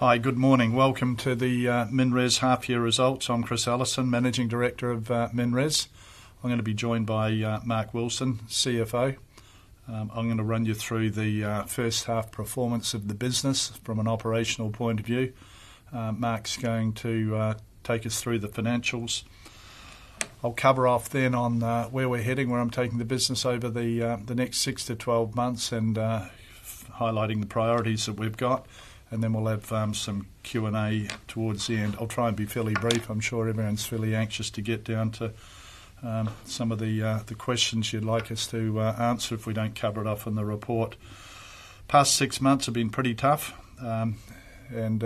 Hi, good morning. Welcome to the MinRes Half-Year Results. I'm Chris Ellison, Managing Director of MinRes. I'm going to be joined by Mark Wilson, CFO. I'm going to run you through the first-half performance of the business from an operational point of view. Mark's going to take us through the financials. I'll cover off then on where we're heading, where I'm taking the business over the next six to 12 months, and highlighting the priorities that we've got, and then we'll have some Q&A towards the end. I'll try and be fairly brief. I'm sure everyone's fairly anxious to get down to some of the questions you'd like us to answer if we don't cover it off in the report. Past six months have been pretty tough, and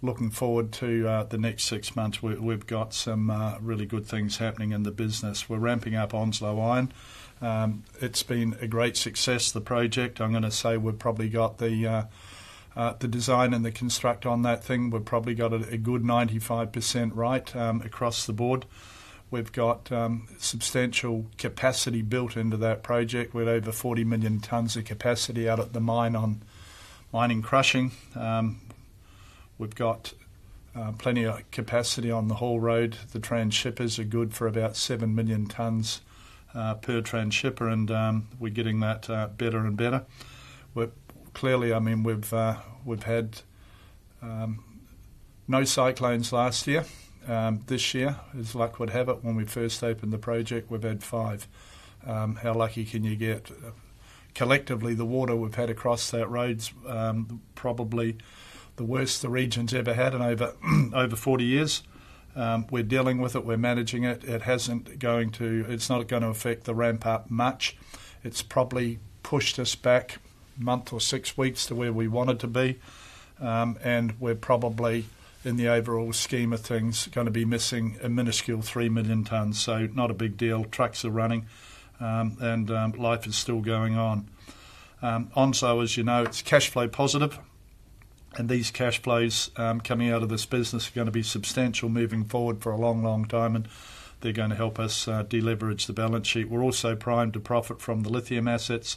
looking forward to the next six months. We've got some really good things happening in the business. We're ramping up Onslow Iron. It's been a great success, the project. I'm going to say we've probably got the design and the construct on that thing. We've probably got a good 95% right across the board. We've got substantial capacity built into that project. We're over 40 million tonnes of capacity out at the mine on mining crushing. We've got plenty of capacity on the haul road. The transhippers are good for about 7 million tonnes per transhipper, and we're getting that better and better. Clearly, I mean, we've had no cyclones last year. This year, as luck would have it, when we first opened the project, we've had five. How lucky can you get? Collectively, the water we've had across that road's probably the worst the region's ever had in over 40 years. We're dealing with it. We're managing it. It's not going to affect the ramp-up much. It's probably pushed us back a month or six weeks to where we wanted to be. And we're probably, in the overall scheme of things, going to be missing a minuscule three million tonnes. So not a big deal. Trucks are running, and life is still going on. Onslow, as you know, it's cash flow positive. And these cash flows coming out of this business are going to be substantial moving forward for a long, long time. And they're going to help us deleverage the balance sheet. We're also primed to profit from the lithium assets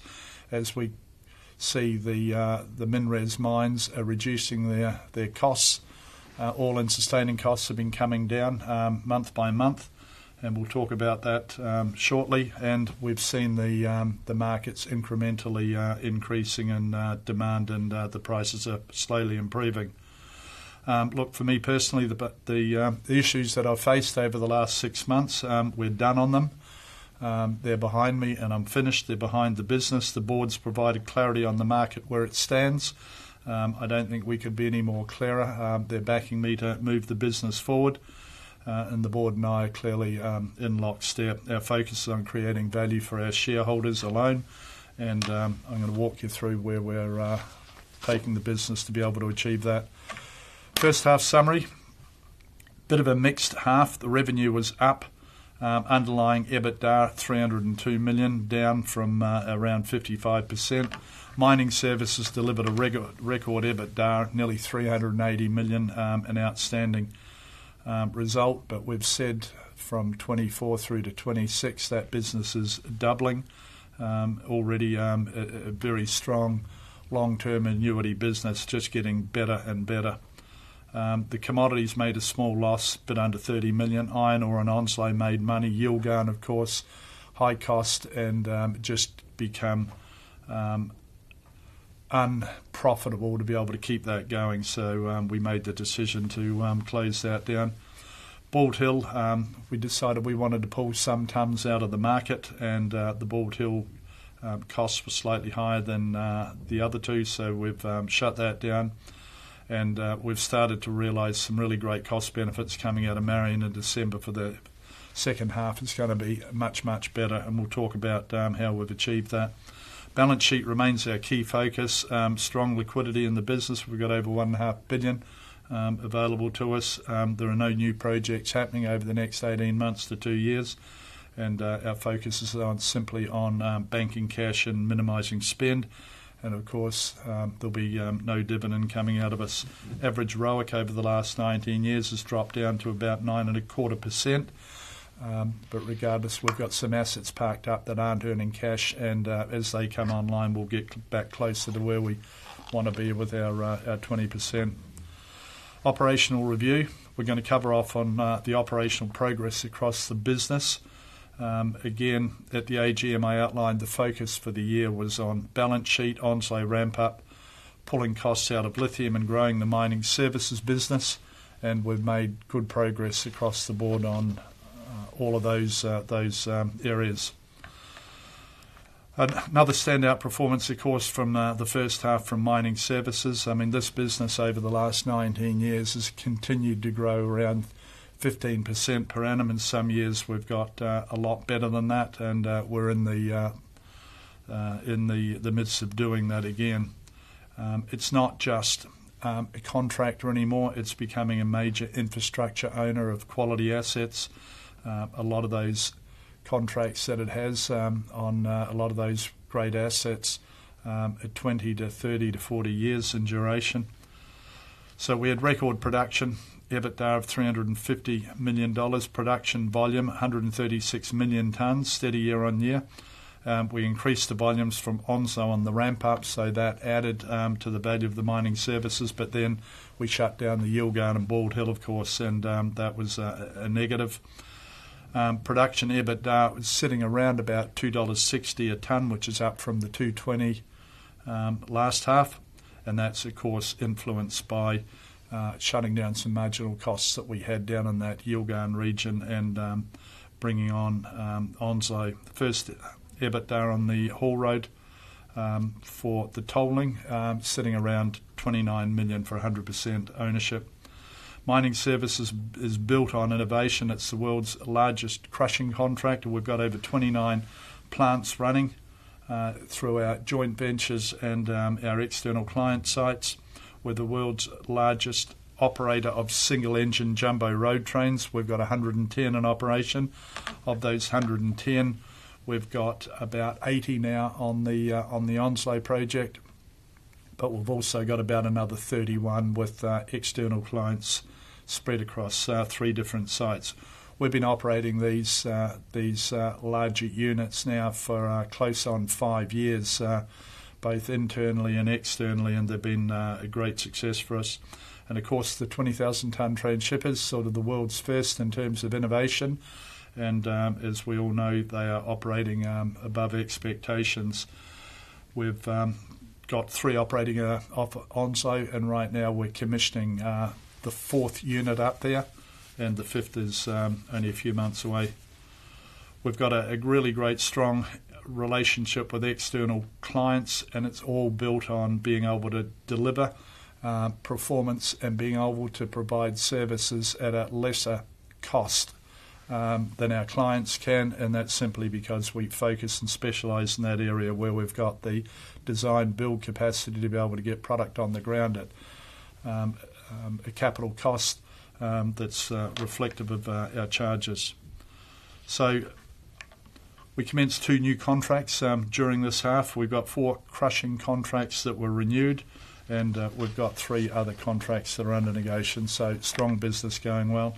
as we see the MinRes mines reducing their costs. All-in sustaining costs have been coming down month by month. And we'll talk about that shortly. And we've seen the markets incrementally increasing in demand, and the prices are slowly improving. Look, for me personally, the issues that I've faced over the last six months. We're done on them. They're behind me, and I'm finished. They're behind the business. The board's provided clarity on the market where it stands. I don't think we could be any more clearer. They're backing me to move the business forward. And the board and I are clearly in lockstep. Our focus is on creating value for our shareholders alone. And I'm going to walk you through where we're taking the business to be able to achieve that. First-half summary, a bit of a mixed half. The revenue was up. Underlying EBITDA, 302 million, down from around 55%. Mining services delivered a record EBITDA, nearly 380 million, an outstanding result. But we've said from 2024 through to 2026 that business is doubling. Already a very strong long-term annuity business, just getting better and better. The commodities made a small loss, but under 30 million. Iron ore and Onslow made money. Yilgarn, of course. High cost and just become unprofitable to be able to keep that going. So we made the decision to close that down. Bald Hill, we decided we wanted to pull some tonnes out of the market. And the Bald Hill costs were slightly higher than the other two. So we've shut that down. And we've started to realise some really great cost benefits coming out of Mt Marion in December for the second half. It's going to be much, much better. And we'll talk about how we've achieved that. Balance sheet remains our key focus. Strong liquidity in the business. We've got over 1.5 billion available to us. There are no new projects happening over the next 18 months to two years. Our focus is simply on banking cash and minimizing spend. And of course, there'll be no dividend coming out of us. Average ROIC over the last 19 years has dropped down to about 9.25%. But regardless, we've got some assets parked up that aren't earning cash. And as they come online, we'll get back closer to where we want to be with our 20%. Operational review. We're going to cover off on the operational progress across the business. Again, at the AGM, I outlined the focus for the year was on balance sheet, Onslow ramp-up, pulling costs out of lithium, and growing the mining services business. And we've made good progress across the board on all of those areas. Another standout performance, of course, from the first half from mining services, I mean, this business over the last 19 years has continued to grow around 15% per annum. In some years, we've got a lot better than that, and we're in the midst of doing that again. It's not just a contractor anymore. It's becoming a major infrastructure owner of quality assets. A lot of those contracts that it has on a lot of those great assets are 20 to 30 to 40 years in duration, so we had record production. EBITDA of 350 million dollars. Production volume, 136 million tonnes. Steady year on year. We increased the volumes from Onslow on the ramp-up, so that added to the value of the mining services. But then we shut down the Yilgarn in Bald Hill, of course, and that was a negative. Production EBITDA was sitting around about 2.60 dollars a tonne, which is up from the 2.20 last half. That's, of course, influenced by shutting down some marginal costs that we had down in that Yilgarn region and bringing on Onslow. First EBITDA on the haul road for the tolling sitting around 29 million for 100% ownership. Mining services is built on innovation. It's the world's largest crushing contractor. We've got over 29 plants running through our joint ventures and our external client sites. We're the world's largest operator of single-engine jumbo road trains. We've got 110 in operation. Of those 110, we've got about 80 now on the Onslow project. But we've also got about another 31 with external clients spread across three different sites. We've been operating these larger units now for close on five years, both internally and externally. And they've been a great success for us. And of course, the 20,000-tonne transhipper is sort of the world's first in terms of innovation. As we all know, they are operating above expectations. We've got three operating on Onslow. And right now, we're commissioning the fourth unit up there. And the fifth is only a few months away. We've got a really great, strong relationship with external clients. And it's all built on being able to deliver performance and being able to provide services at a lesser cost than our clients can. And that's simply because we focus and specialize in that area where we've got the design-build capacity to be able to get product on the ground at a capital cost that's reflective of our charges. So we commenced two new contracts during this half. We've got four crushing contracts that were renewed. And we've got three other contracts that are under negotiation. So strong business going well.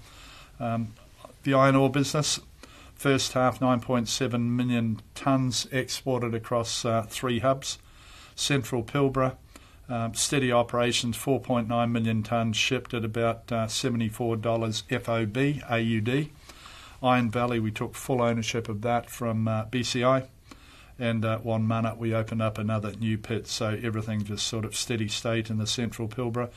The iron ore business, first half, 9.7 million tonnes exported across three hubs. Central Pilbara, steady operations, 4.9 million tonnes shipped at about 74 AUD FOB. Iron Valley, we took full ownership of that from BCI. And at Wonmunna, we opened up another new pit. So everything just sort of steady state in the Central Pilbara.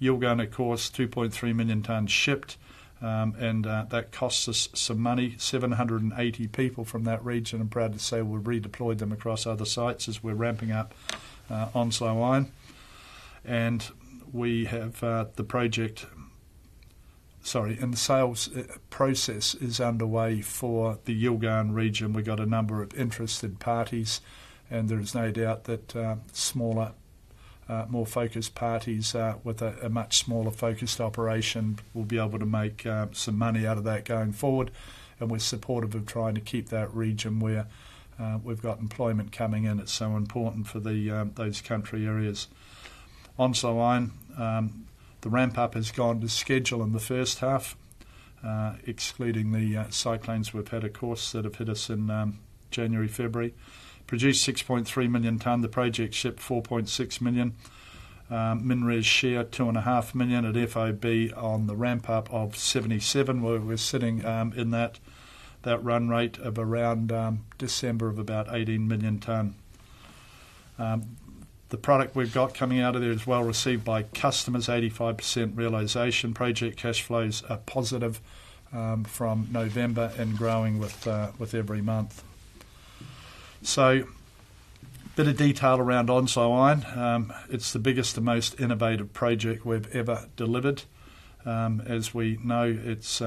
Yilgarn, of course, 2.3 million tonnes shipped. And that costs us some money, 780 people from that region. I'm proud to say we've redeployed them across other sites as we're ramping up Onslow Iron. And we have the project, sorry, and the sales process is underway for the Yilgarn region. We've got a number of interested parties. And there is no doubt that smaller, more focused parties with a much smaller focused operation will be able to make some money out of that going forward. And we're supportive of trying to keep that region where we've got employment coming in. It's so important for those country areas. Onslow Iron, the ramp-up has gone to schedule in the first half, excluding the cyclones we've had, of course, that have hit us in January, February. Produced 6.3 million tonne. The project shipped 4.6 million. MinRes share, 2.5 million at FOB on the ramp-up of 77%, where we're sitting in that run rate of around December of about 18 million tonne. The product we've got coming out of there is well received by customers, 85% realization. Project cash flows are positive from November and growing with every month. So a bit of detail around Onslow Iron. It's the biggest and most innovative project we've ever delivered. As we know, it's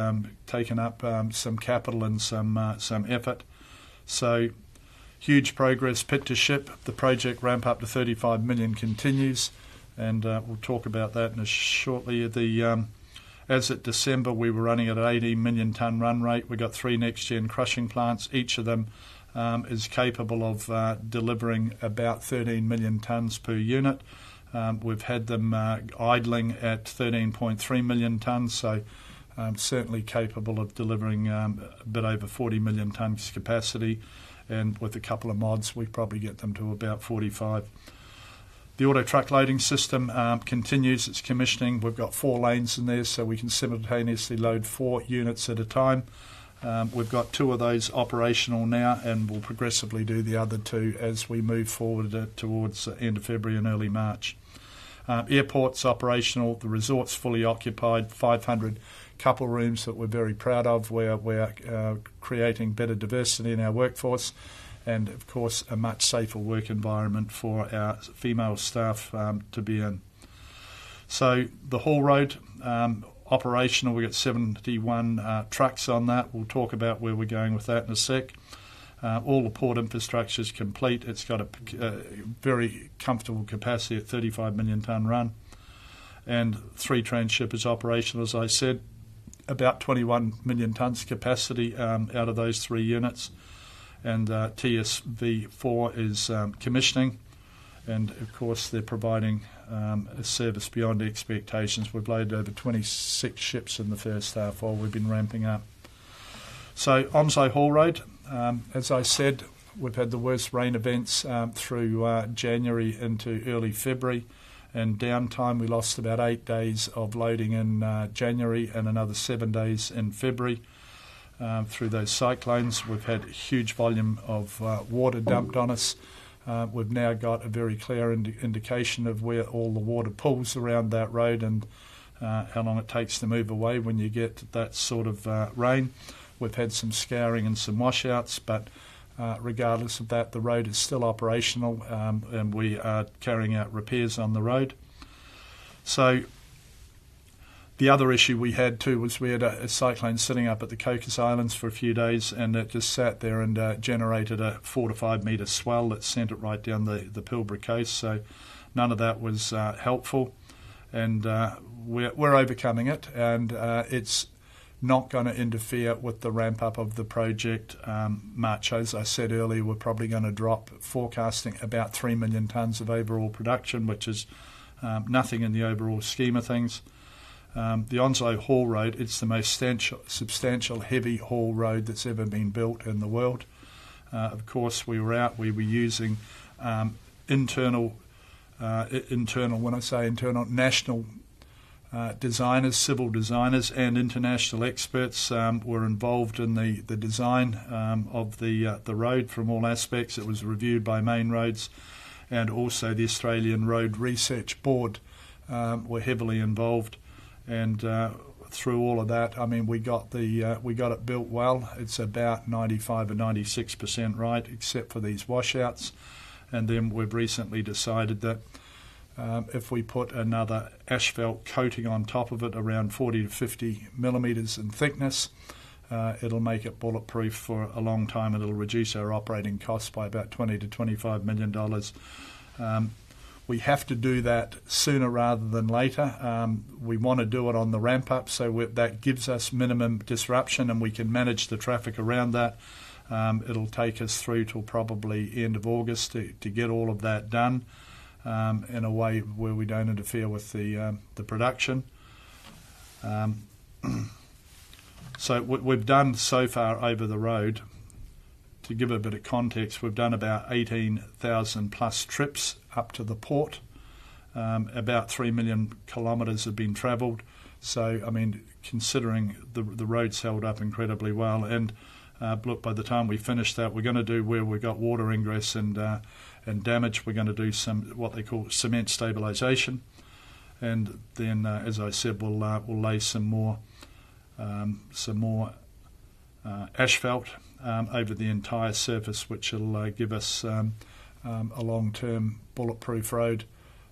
taken up some capital and some effort. So huge progress, pit to ship. The project ramp-up to 35 million continues. And we'll talk about that shortly. As of December, we were running at an 18 million tonne run rate. We've got three NextGen Crushing Plants. Each of them is capable of delivering about 13 million tonnes per unit. We've had them idling at 13.3 million tonnes. So certainly capable of delivering a bit over 40 million tonnes capacity. And with a couple of mods, we probably get them to about 45. The auto truck loading system continues. It's commissioning. We've got four lanes in there, so we can simultaneously load four units at a time. We've got two of those operational now, and we'll progressively do the other two as we move forward towards the end of February and early March. MinRes Air operational. The resort's fully occupied. 500 couple rooms that we're very proud of. We're creating better diversity in our workforce. And of course, a much safer work environment for our female staff to be in. So the haul road operational. We've got 71 trucks on that. We'll talk about where we're going with that in a sec. All the port infrastructure is complete. It's got a very comfortable capacity of 35 million tonne run. And three transhippers operational, as I said. About 21 million tonnes capacity out of those three units. And TSV 4 is commissioning. And of course, they're providing a service beyond expectations. We've loaded over 26 ships in the first half while we've been ramping up. So Onslow haul road, as I said, we've had the worst rain events through January into early February. And downtime, we lost about eight days of loading in January and another seven days in February. Through those cyclones, we've had a huge volume of water dumped on us. We've now got a very clear indication of where all the water pools around that road and how long it takes to move away when you get that sort of rain. We've had some scouring and some washouts. But regardless of that, the road is still operational. And we are carrying out repairs on the road. So the other issue we had too was we had a cyclone sitting up at the Cocos Islands for a few days. And it just sat there and generated a four to five meter swell that sent it right down the Pilbara coast. So none of that was helpful. And we're overcoming it. And it's not going to interfere with the ramp-up of the project much. As I said earlier, we're probably going to drop forecasting about 3 million tonnes of overall production, which is nothing in the overall scheme of things. The Onslow haul road, it's the most substantial heavy haul road that's ever been built in the world. Of course, we were out. We were using internal, when I say internal, national designers, civil designers, and international experts were involved in the design of the road from all aspects. It was reviewed by Main Roads. And also the Australian Road Research Board were heavily involved. And through all of that, I mean, we got it built well. It's about 95% or 96% right, except for these washouts. And then we've recently decided that if we put another asphalt coating on top of it, around 40-50 mm in thickness, it'll make it bulletproof for a long time. And it'll reduce our operating costs by about 20 million-25 million dollars. We have to do that sooner rather than later. We want to do it on the ramp-up so that gives us minimum disruption. And we can manage the traffic around that. It'll take us through till probably end of August to get all of that done in a way where we don't interfere with the production. So what we've done so far over the road, to give a bit of context, we've done about 18,000 plus trips up to the port. About 3 million kilometers have been travelled. So I mean, considering the road's held up incredibly well. And by the time we finish that, we're going to do where we've got water ingress and damage, we're going to do what they call cement stabilisation. And then, as I said, we'll lay some more asphalt over the entire surface, which will give us a long-term bulletproof road.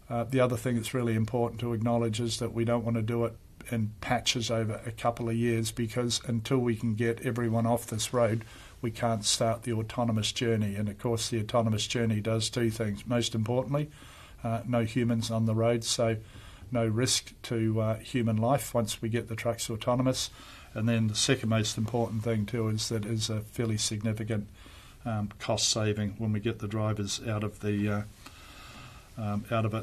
The other thing that's really important to acknowledge is that we don't want to do it in patches over a couple of years because until we can get everyone off this road, we can't start the autonomous journey. And of course, the autonomous journey does two things. Most importantly, no humans on the road. So no risk to human life once we get the trucks autonomous. And then the second most important thing too is that it's a fairly significant cost saving when we get the drivers out of it.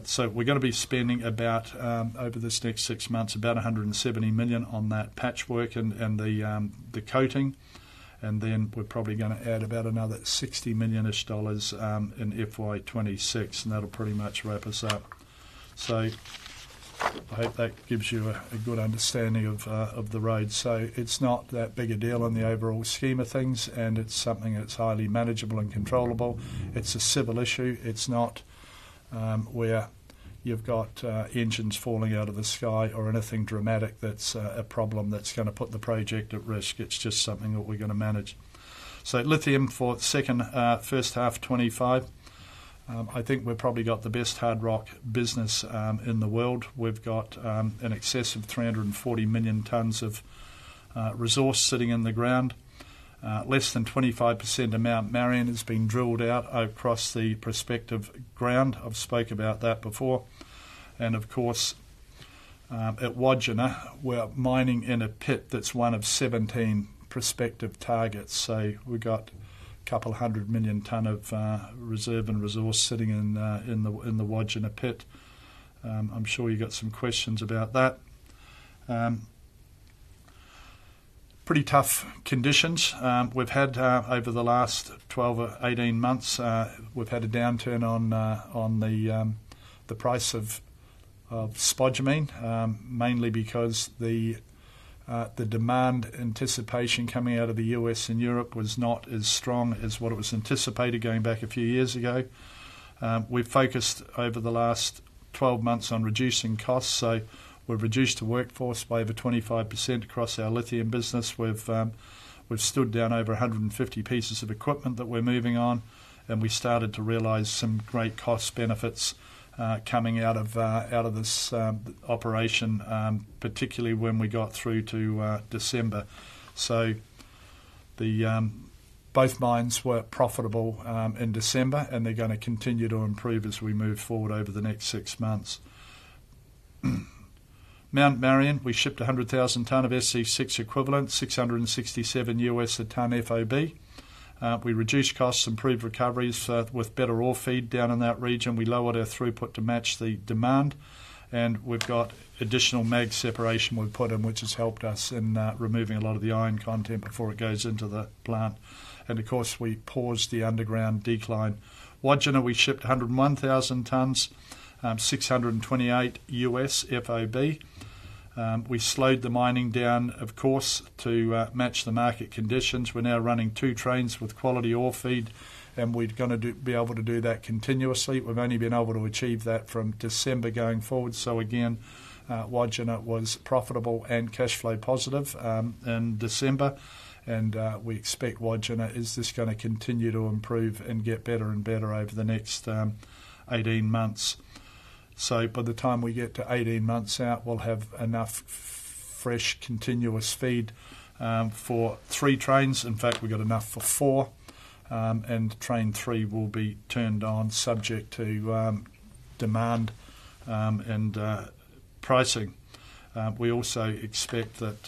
So we're going to be spending about, over this next six months, about 170 million on that patchwork and the coating. And then we're probably going to add about another 60 million-ish dollars in FY '26. And that'll pretty much wrap us up. So I hope that gives you a good understanding of the road. So it's not that big a deal in the overall scheme of things. And it's something that's highly manageable and controllable. It's a civil issue. It's not where you've got engines falling out of the sky or anything dramatic that's a problem that's going to put the project at risk. It's just something that we're going to manage. So lithium for the second first half '25. I think we've probably got the best hard rock business in the world. We've got an excess of 340 million tonnes of resource sitting in the ground. Less than 25% of Mt Marion has been drilled out across the prospective ground. I've spoke about that before. And of course, at Wodgina, we're mining in a pit that's one of 17 prospective targets. So we've got a couple hundred million tonne of reserve and resource sitting in the Wodgina pit. I'm sure you've got some questions about that. Pretty tough conditions. We've had, over the last 12 or 18 months, we've had a downturn on the price of spodumene, mainly because the demand anticipation coming out of the US and Europe was not as strong as what it was anticipated going back a few years ago. We've focused over the last 12 months on reducing costs, so we've reduced the workforce by over 25% across our lithium business. We've stood down over 150 pieces of equipment that we're moving on, and we started to realise some great cost benefits coming out of this operation, particularly when we got through to December. So both mines were profitable in December, and they're going to continue to improve as we move forward over the next six months. Mt Marion, we shipped 100,000 tonne of SC6 equivalent, $667 a tonne FOB. We reduced costs, improved recoveries with better ore feed down in that region. We lowered our throughput to match the demand. We've got additional mag separation we've put in, which has helped us in removing a lot of the iron content before it goes into the plant. Of course, we paused the underground decline. Wodgina, we shipped 101,000 tonnes, $628 FOB. We slowed the mining down, of course, to match the market conditions. We're now running two trains with quality ore feed. We're going to be able to do that continuously. We've only been able to achieve that from December going forward. Again, Wodgina was profitable and cash flow positive in December. We expect Wodgina is just going to continue to improve and get better and better over the next 18 months. By the time we get to 18 months out, we'll have enough fresh continuous feed for three trains. In fact, we've got enough for four. Train three will be turned on, subject to demand and pricing. We also expect that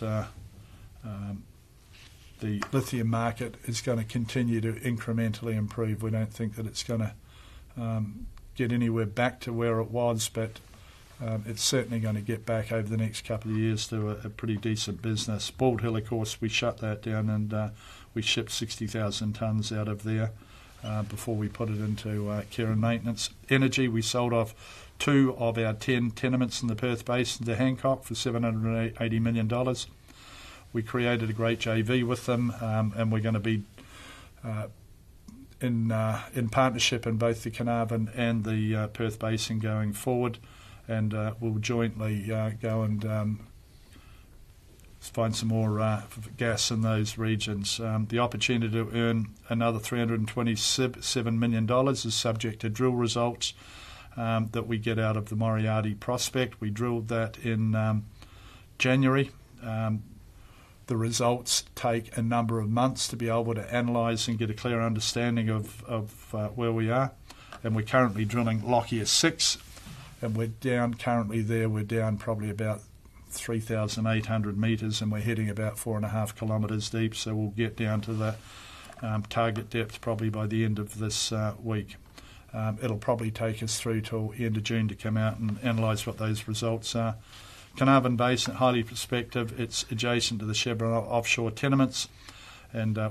the lithium market is going to continue to incrementally improve. We don't think that it's going to get anywhere back to where it was. But it's certainly going to get back over the next couple of years to a pretty decent business. Bald Hill, of course, we shut that down. We shipped 60,000 tonnes out of there before we put it into care and maintenance. Energy, we sold off two of our 10 tenements in the Perth Basin to Hancock for 780 million dollars. We created a great JV with them. We're going to be in partnership in both the Carnarvon Basin and the Perth Basin going forward. We'll jointly go and find some more gas in those regions. The opportunity to earn another 327 million dollars is subject to drill results that we get out of the Moriarty Prospect. We drilled that in January. The results take a number of months to be able to analyze and get a clear understanding of where we are. We're currently drilling Lockyer 6. We're down currently there. We're down probably about 3,800 meters. We're hitting about four and a half kilometers deep. We'll get down to the target depth probably by the end of this week. It'll probably take us through till end of June to come out and analyze what those results are. Carnarvon Basin, highly prospective. It's adjacent to the Chevron offshore tenements.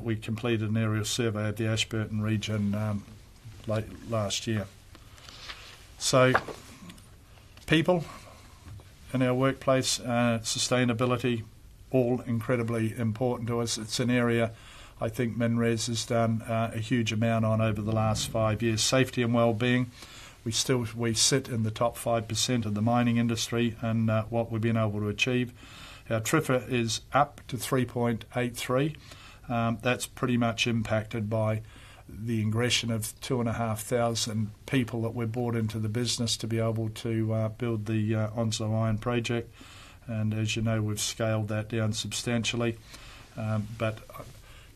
We completed an aerial survey of the Ashburton region last year. People in our workplace, sustainability, all incredibly important to us. It's an area I think MinRes has done a huge amount on over the last five years. Safety and well-being, we sit in the top 5% of the mining industry and what we've been able to achieve. Our TRIFR is up to 3.83. That's pretty much impacted by the integration of two and a half thousand people that were brought into the business to be able to build the Onslow Iron project. As you know, we've scaled that down substantially.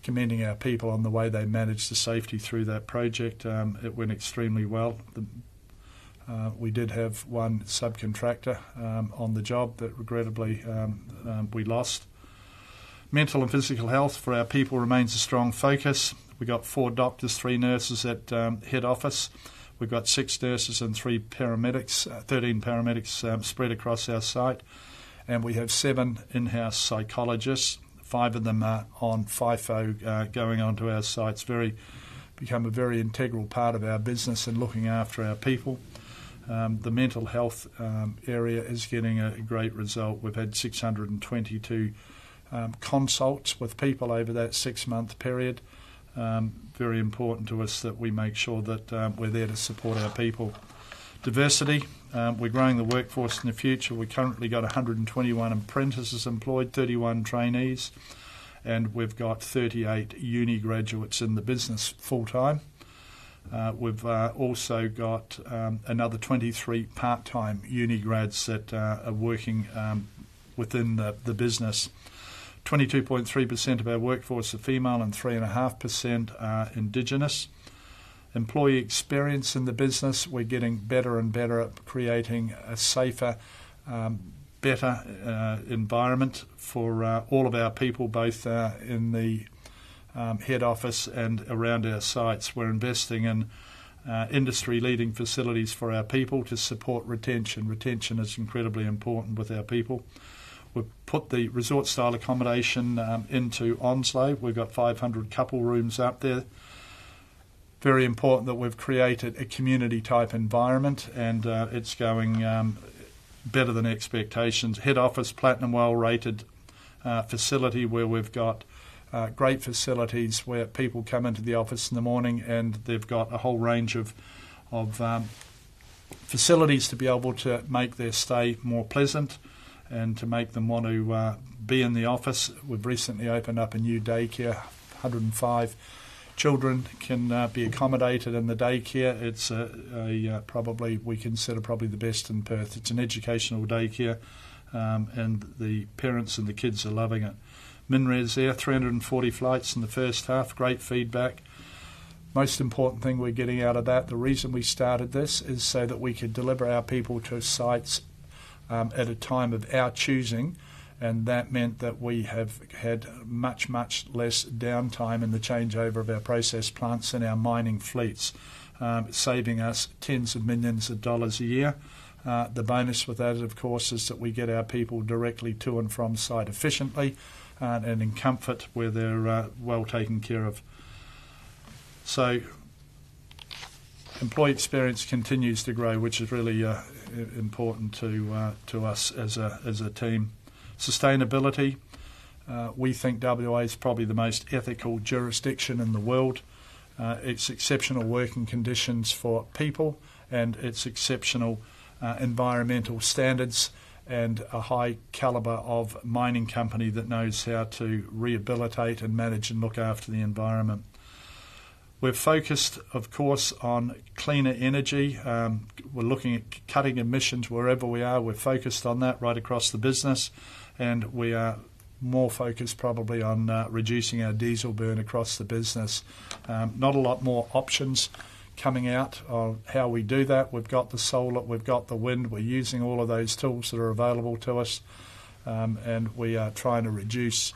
Commending our people on the way they managed the safety through that project, it went extremely well. We did have one subcontractor on the job that regrettably we lost. Mental and physical health for our people remains a strong focus. We've got four doctors, three nurses at head office. We've got six nurses and 13 paramedics spread across our site. We have seven in-house psychologists, five of them on FIFO going onto our sites, become a very integral part of our business and looking after our people. The mental health area is getting a great result. We've had 622 consults with people over that six-month period. Very important to us that we make sure that we're there to support our people. Diversity, we're growing the workforce in the future. We currently got 121 apprentices employed, 31 trainees. We've got 38 uni graduates in the business full-time. We've also got another 23 part-time uni grads that are working within the business. 22.3% of our workforce are female and 3.5% are indigenous. Employee experience in the business, we're getting better and better at creating a safer, better environment for all of our people, both in the head office and around our sites. We're investing in industry-leading facilities for our people to support retention. Retention is incredibly important with our people. We've put the resort-style accommodation into Onslow. We've got 500 couple rooms up there. Very important that we've created a community-type environment, and it's going better than expectations. Head office, platinum well-rated facility where we've got great facilities where people come into the office in the morning, and they've got a whole range of facilities to be able to make their stay more pleasant and to make them want to be in the office. We've recently opened up a new daycare. 105 children can be accommodated in the daycare. It's probably we consider the best in Perth. It's an educational daycare and the parents and the kids are loving it. MinRes Air, 340 flights in the first half, great feedback. Most important thing we're getting out of that, the reason we started this is so that we could deliver our people to sites at a time of our choosing. And that meant that we have had much, much less downtime in the changeover of our process plants and our mining fleets, saving us tens of millions of dollars a year. The bonus with that, of course, is that we get our people directly to and from site efficiently and in comfort where they're well taken care of. So employee experience continues to grow, which is really important to us as a team. Sustainability, we think WA is probably the most ethical jurisdiction in the world. It's exceptional working conditions for people. It's exceptional environmental standards and a high caliber of mining company that knows how to rehabilitate and manage and look after the environment. We're focused, of course, on cleaner energy. We're looking at cutting emissions wherever we are. We're focused on that right across the business. We are more focused probably on reducing our diesel burn across the business. Not a lot more options coming out of how we do that. We've got the solar, we've got the wind. We're using all of those tools that are available to us. We are trying to reduce,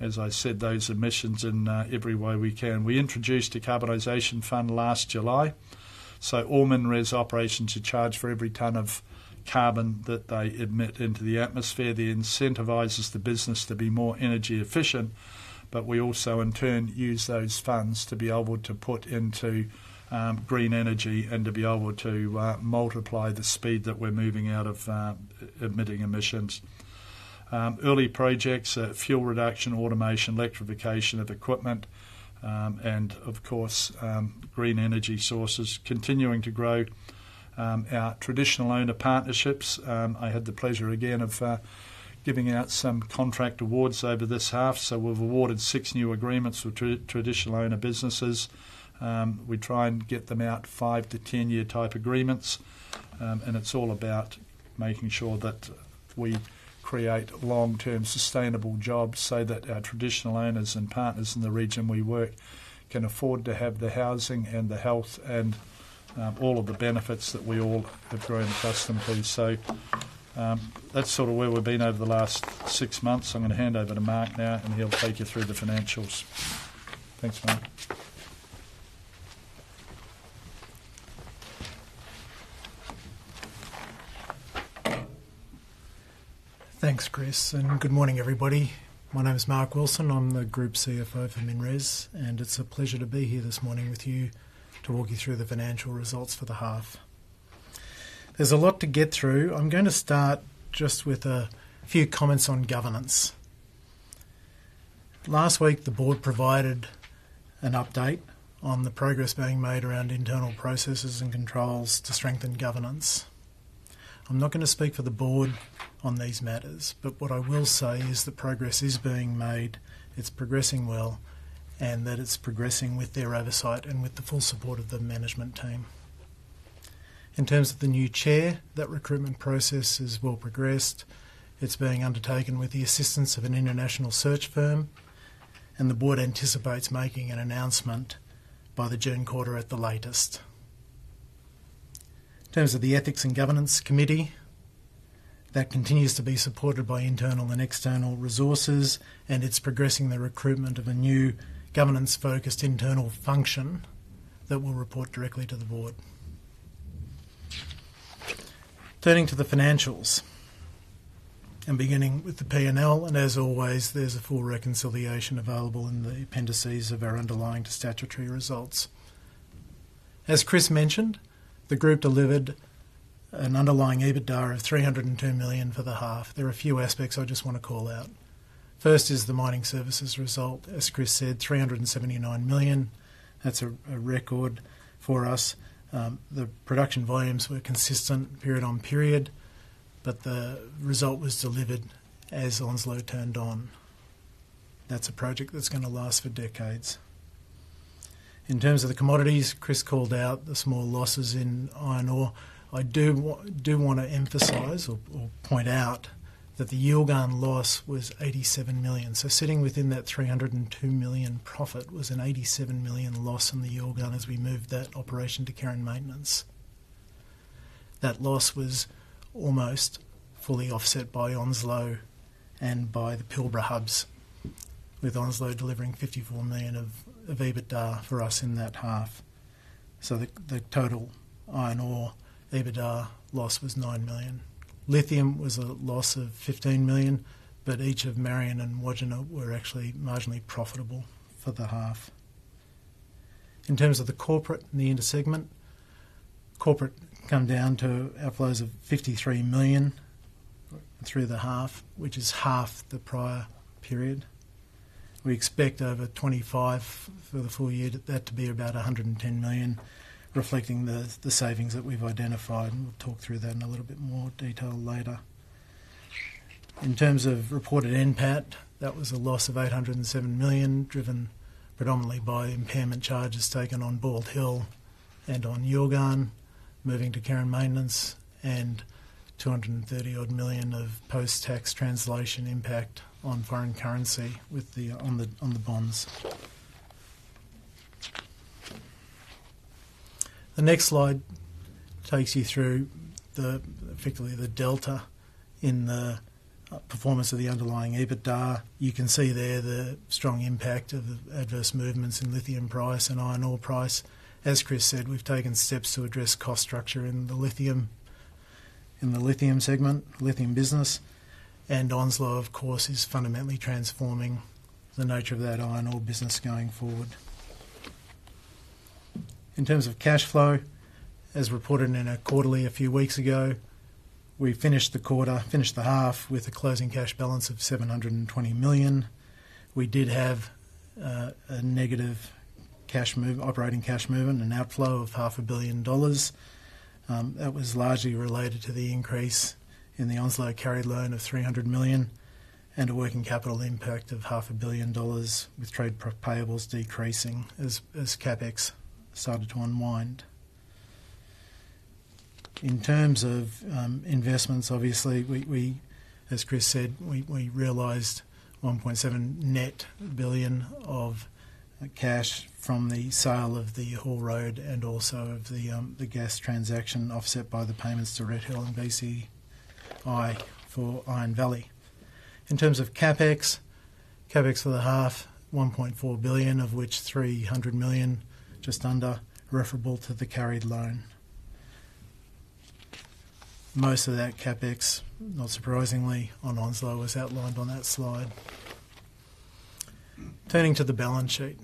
as I said, those emissions in every way we can. We introduced a decarbonization fund last July. So all MinRes operations are charged for every tonne of carbon that they emit into the atmosphere. That incentivizes the business to be more energy efficient. But we also, in turn, use those funds to be able to put into green energy and to be able to multiply the speed that we're moving out of emitting emissions. Early projects at fuel reduction, automation, electrification of equipment, and of course, green energy sources continuing to grow. Our traditional owner partnerships, I had the pleasure again of giving out some contract awards over this half. So we've awarded six new agreements with traditional owner businesses. We try and get them out 5 to 10-year-type agreements. And it's all about making sure that we create long-term sustainable jobs so that our traditional owners and partners in the region we work can afford to have the housing and the health and all of the benefits that we all have grown accustomed to. So that's sort of where we've been over the last six months. I'm going to hand over to Mark now. And he'll take you through the financials. Thanks, Mark. Thanks, Chris. And good morning, everybody. My name is Mark Wilson. I'm the Group CFO for MinRes. And it's a pleasure to be here this morning with you to walk you through the financial results for the half. There's a lot to get through. I'm going to start just with a few comments on governance. Last week, the board provided an update on the progress being made around internal processes and controls to strengthen governance. I'm not going to speak for the board on these matters. But what I will say is that progress is being made. It's progressing well. And that it's progressing with their oversight and with the full support of the management team. In terms of the new chair, that recruitment process has well progressed. It's being undertaken with the assistance of an international search firm. The board anticipates making an announcement by the June quarter at the latest. In terms of the Ethics and Governance Committee, that continues to be supported by internal and external resources. It's progressing the recruitment of a new governance-focused internal function that will report directly to the board. Turning to the financials and beginning with the P&L. As always, there's a full reconciliation available in the appendices of our underlying statutory results. As Chris mentioned, the group delivered an underlying EBITDA of 302 million for the half. There are a few aspects I just want to call out. First is the mining services result. As Chris said, 379 million. That's a record for us. The production volumes were consistent period on period. The result was delivered as Onslow turned on. That's a project that's going to last for decades. In terms of the commodities, Chris called out the small losses in iron ore. I do want to emphasize or point out that the Yilgarn loss was 87 million. So sitting within that 302 million profit was an 87 million loss in the Yilgarn as we moved that operation to care and maintenance. That loss was almost fully offset by Onslow and by the Pilbara hubs, with Onslow delivering 54 million of EBITDA for us in that half. So the total iron ore EBITDA loss was 9 million. Lithium was a loss of 15 million. But each of Mt Marion and Wodgina were actually marginally profitable for the half. In terms of the corporate and the inter-segment, corporate came down to outflows of 53 million through the half, which is half the prior period. We expect over 25 for the full year that to be about 110 million, reflecting the savings that we've identified. We'll talk through that in a little bit more detail later. In terms of reported NPAT, that was a loss of 807 million driven predominantly by impairment charges taken on Bald Hill and on Yilgarn, moving to care and maintenance, and 230 million of post-tax translation impact on foreign currency on the bonds. The next slide takes you through, effectively, the delta in the performance of the underlying EBITDA. You can see there the strong impact of adverse movements in lithium price and iron ore price. As Chris said, we've taken steps to address cost structure in the lithium segment, lithium business. Onslow, of course, is fundamentally transforming the nature of that iron ore business going forward. In terms of cash flow, as reported in a quarterly a few weeks ago, we finished the quarter, finished the half with a closing cash balance of 720 million. We did have a negative operating cash movement, an outflow of 500 million dollars. That was largely related to the increase in the Onslow carry loan of 300 million and a working capital impact of 500 million dollars with trade payables decreasing as CapEx started to unwind. In terms of investments, obviously, as Chris said, we realized 1.7 net billion of cash from the sale of the haul road and also of the gas transaction offset by the payments to Red Hill and BCI for Iron Valley. In terms of CapEx, CapEx for the half, 1.4 billion, of which 300 million just under referable to the carried loan. Most of that CapEx, not surprisingly, on Onslow was outlined on that slide. Turning to the balance sheet,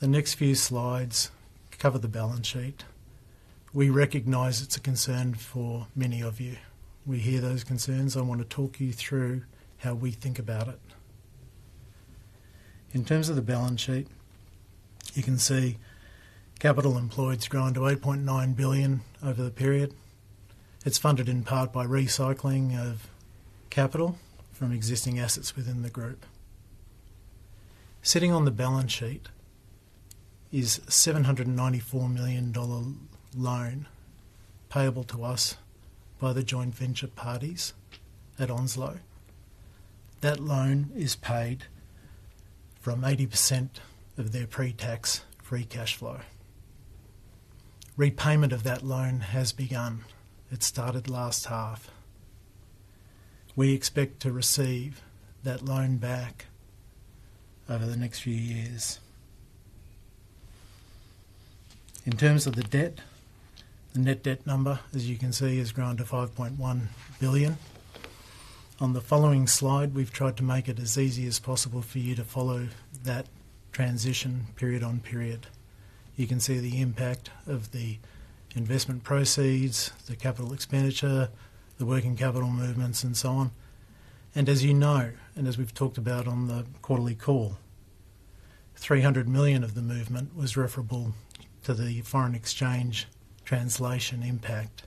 the next few slides cover the balance sheet. We recognize it's a concern for many of you. We hear those concerns. I want to talk you through how we think about it. In terms of the balance sheet, you can see capital employed has grown to 8.9 billion over the period. It's funded in part by recycling of capital from existing assets within the group. Sitting on the balance sheet is a 794 million dollar loan payable to us by the joint venture parties at Onslow. That loan is paid from 80% of their pre-tax free cash flow. Repayment of that loan has begun. It started last half. We expect to receive that loan back over the next few years. In terms of the debt, the net debt number, as you can see, has grown to 5.1 billion. On the following slide, we've tried to make it as easy as possible for you to follow that transition period on period. You can see the impact of the investment proceeds, the capital expenditure, the working capital movements, and so on. And as you know, and as we've talked about on the quarterly call, 300 million of the movement was referable to the foreign exchange translation impact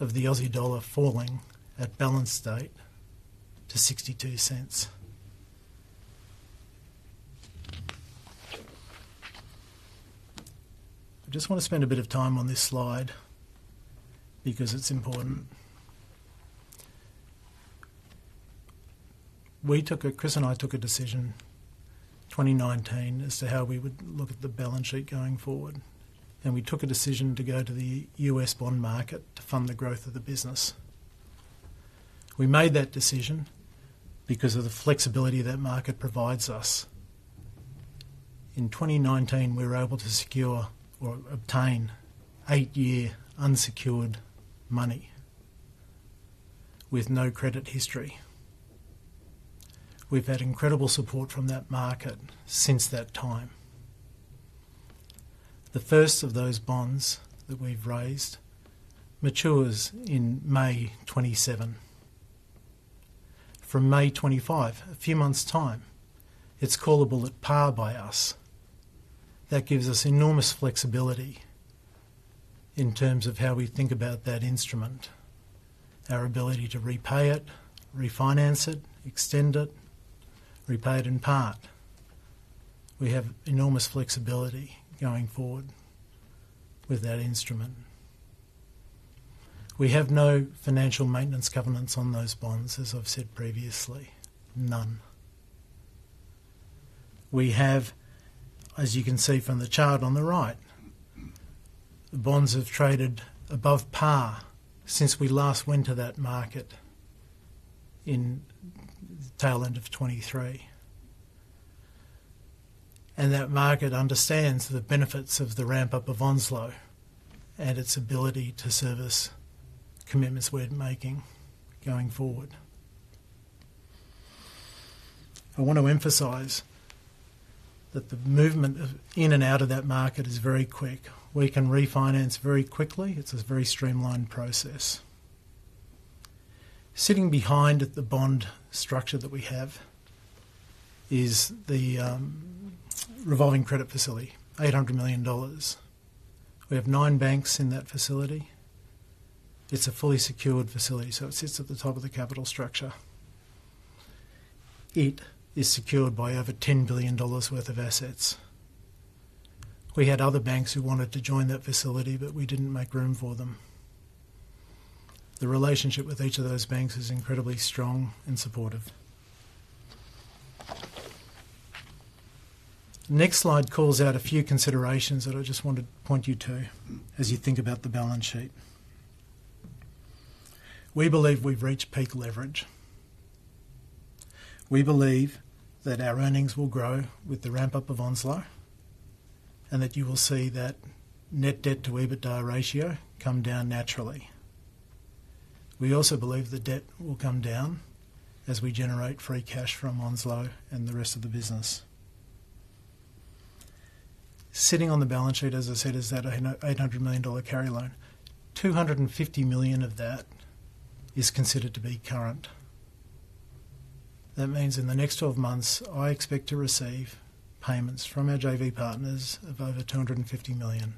of the Aussie dollar falling at balance sheet date to 0.62. I just want to spend a bit of time on this slide because it's important. Chris and I took a decision in 2019 as to how we would look at the balance sheet going forward. And we took a decision to go to the U.S. bond market to fund the growth of the business. We made that decision because of the flexibility that market provides us. In 2019, we were able to secure or obtain eight-year unsecured money with no credit history. We've had incredible support from that market since that time. The first of those bonds that we've raised matures in May 2027. From May 2025, a few months' time, it's callable at par by us. That gives us enormous flexibility in terms of how we think about that instrument, our ability to repay it, refinance it, extend it, repay it in part. We have enormous flexibility going forward with that instrument. We have no financial maintenance covenants on those bonds, as I've said previously, none. We have, as you can see from the chart on the right, the bonds have traded above par since we last went to that market in the tail end of 2023. And that market understands the benefits of the ramp-up of Onslow and its ability to service commitments we're making going forward. I want to emphasize that the movement in and out of that market is very quick. We can refinance very quickly. It's a very streamlined process. Sitting behind the bond structure that we have is the revolving credit facility, 800 million dollars. We have nine banks in that facility. It's a fully secured facility. So it sits at the top of the capital structure. It is secured by over 10 billion dollars worth of assets. We had other banks who wanted to join that facility, but we didn't make room for them. The relationship with each of those banks is incredibly strong and supportive. The next slide calls out a few considerations that I just want to point you to as you think about the balance sheet. We believe we've reached peak leverage. We believe that our earnings will grow with the ramp-up of Onslow and that you will see that net debt to EBITDA ratio come down naturally. We also believe the debt will come down as we generate free cash from Onslow and the rest of the business. Sitting on the balance sheet, as I said, is that 800 million dollar carry loan. 250 million of that is considered to be current. That means in the next 12 months, I expect to receive payments from our JV partners of over 250 million.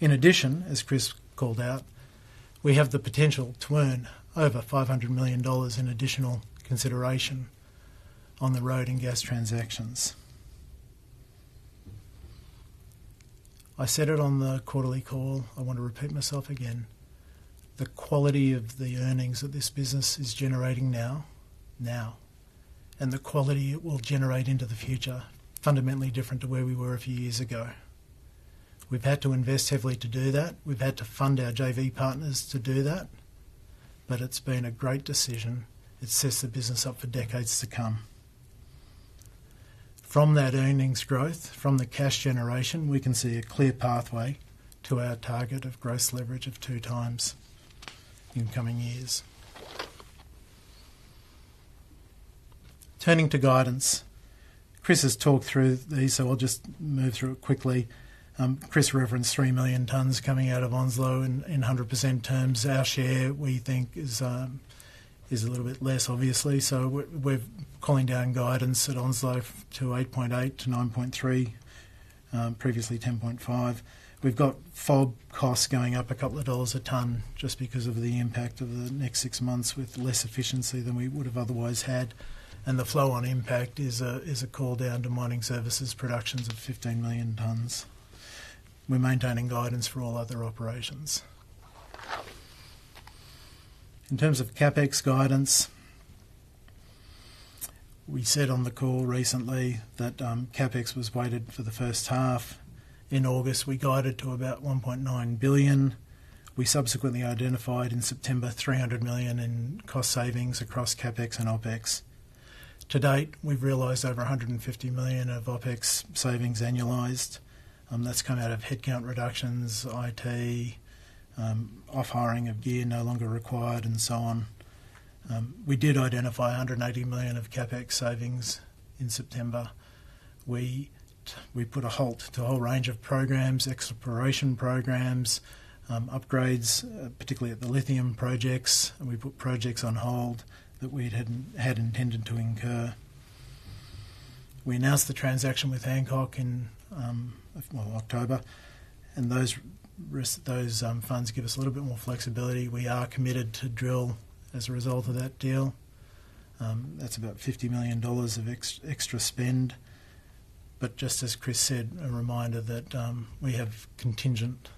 In addition, as Chris called out, we have the potential to earn over 500 million dollars in additional consideration on the road and gas transactions. I said it on the quarterly call. I want to repeat myself again. The quality of the earnings that this business is generating now, and the quality it will generate into the future are fundamentally different to where we were a few years ago. We've had to invest heavily to do that. We've had to fund our JV partners to do that. But it's been a great decision. It sets the business up for decades to come. From that earnings growth, from the cash generation, we can see a clear pathway to our target of gross leverage of two times in coming years. Turning to guidance, Chris has talked through these, so I'll just move through it quickly. Chris referenced three million tonnes coming out of Onslow in 100% terms. Our share, we think, is a little bit less, obviously. So we're calling down guidance at Onslow to 8.8-9.3, previously 10.5. We've got FOB costs going up a couple of dollars a tonne just because of the impact of the next six months with less efficiency than we would have otherwise had. And the flow-on impact is a call down to Mining Services production of 15 million tonnes. We're maintaining guidance for all other operations. In terms of CapEx guidance, we said on the call recently that CapEx was weighted for the first half. In August, we guided to about 1.9 billion. We subsequently identified in September 300 million in cost savings across CapEx and OpEx. To date, we've realized over 150 million of OpEx savings annualized. That's come out of headcount reductions, IT, off-hiring of gear no longer required, and so on. We did identify 180 million of CapEx savings in September. We put a halt to a whole range of programs, exploration programs, upgrades, particularly at the lithium projects. We put projects on hold that we had intended to incur. We announced the transaction with Hancock in October, and those funds give us a little bit more flexibility. We are committed to drill as a result of that deal. That's about 50 million dollars of extra spend, but just as Chris said, a reminder that we have contingent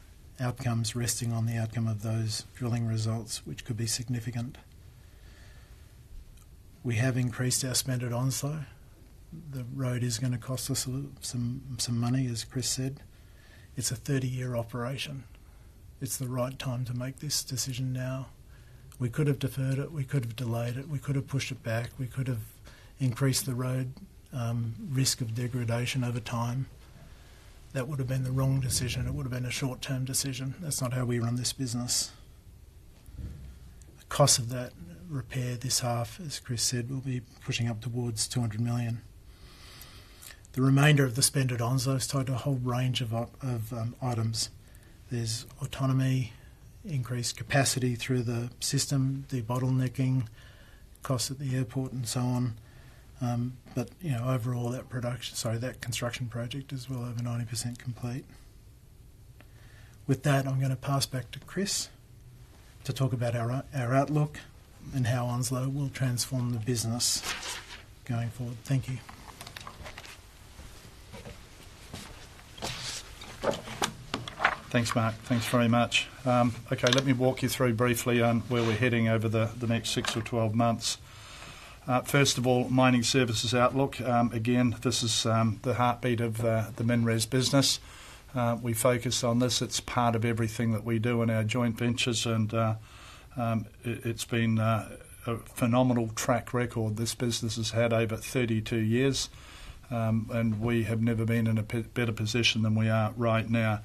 outcomes resting on the outcome of those drilling results, which could be significant. We have increased our spend at Onslow. The road is going to cost us some money, as Chris said. It's a 30-year operation. It's the right time to make this decision now. We could have deferred it. We could have delayed it. We could have pushed it back. We could have increased the road risk of degradation over time. That would have been the wrong decision. It would have been a short-term decision. That's not how we run this business. The cost of that repair this half, as Chris said, will be pushing up towards 200 million. The remainder of the spend at Onslow is tied to a whole range of items. There's autonomy, increased capacity through the system, debottlenecking, costs at the airport, and so on. But overall, that construction project is well over 90% complete. With that, I'm going to pass back to Chris to talk about our outlook and how Onslow will transform the business going forward. Thank you. Thanks, Mark. Thanks very much. Okay, let me walk you through briefly where we're heading over the next six or 12 months. First of all, mining services outlook. Again, this is the heartbeat of the MinRes business. We focus on this. It's part of everything that we do in our joint ventures, and it's been a phenomenal track record. This business has had over 32 years, and we have never been in a better position than we are right now.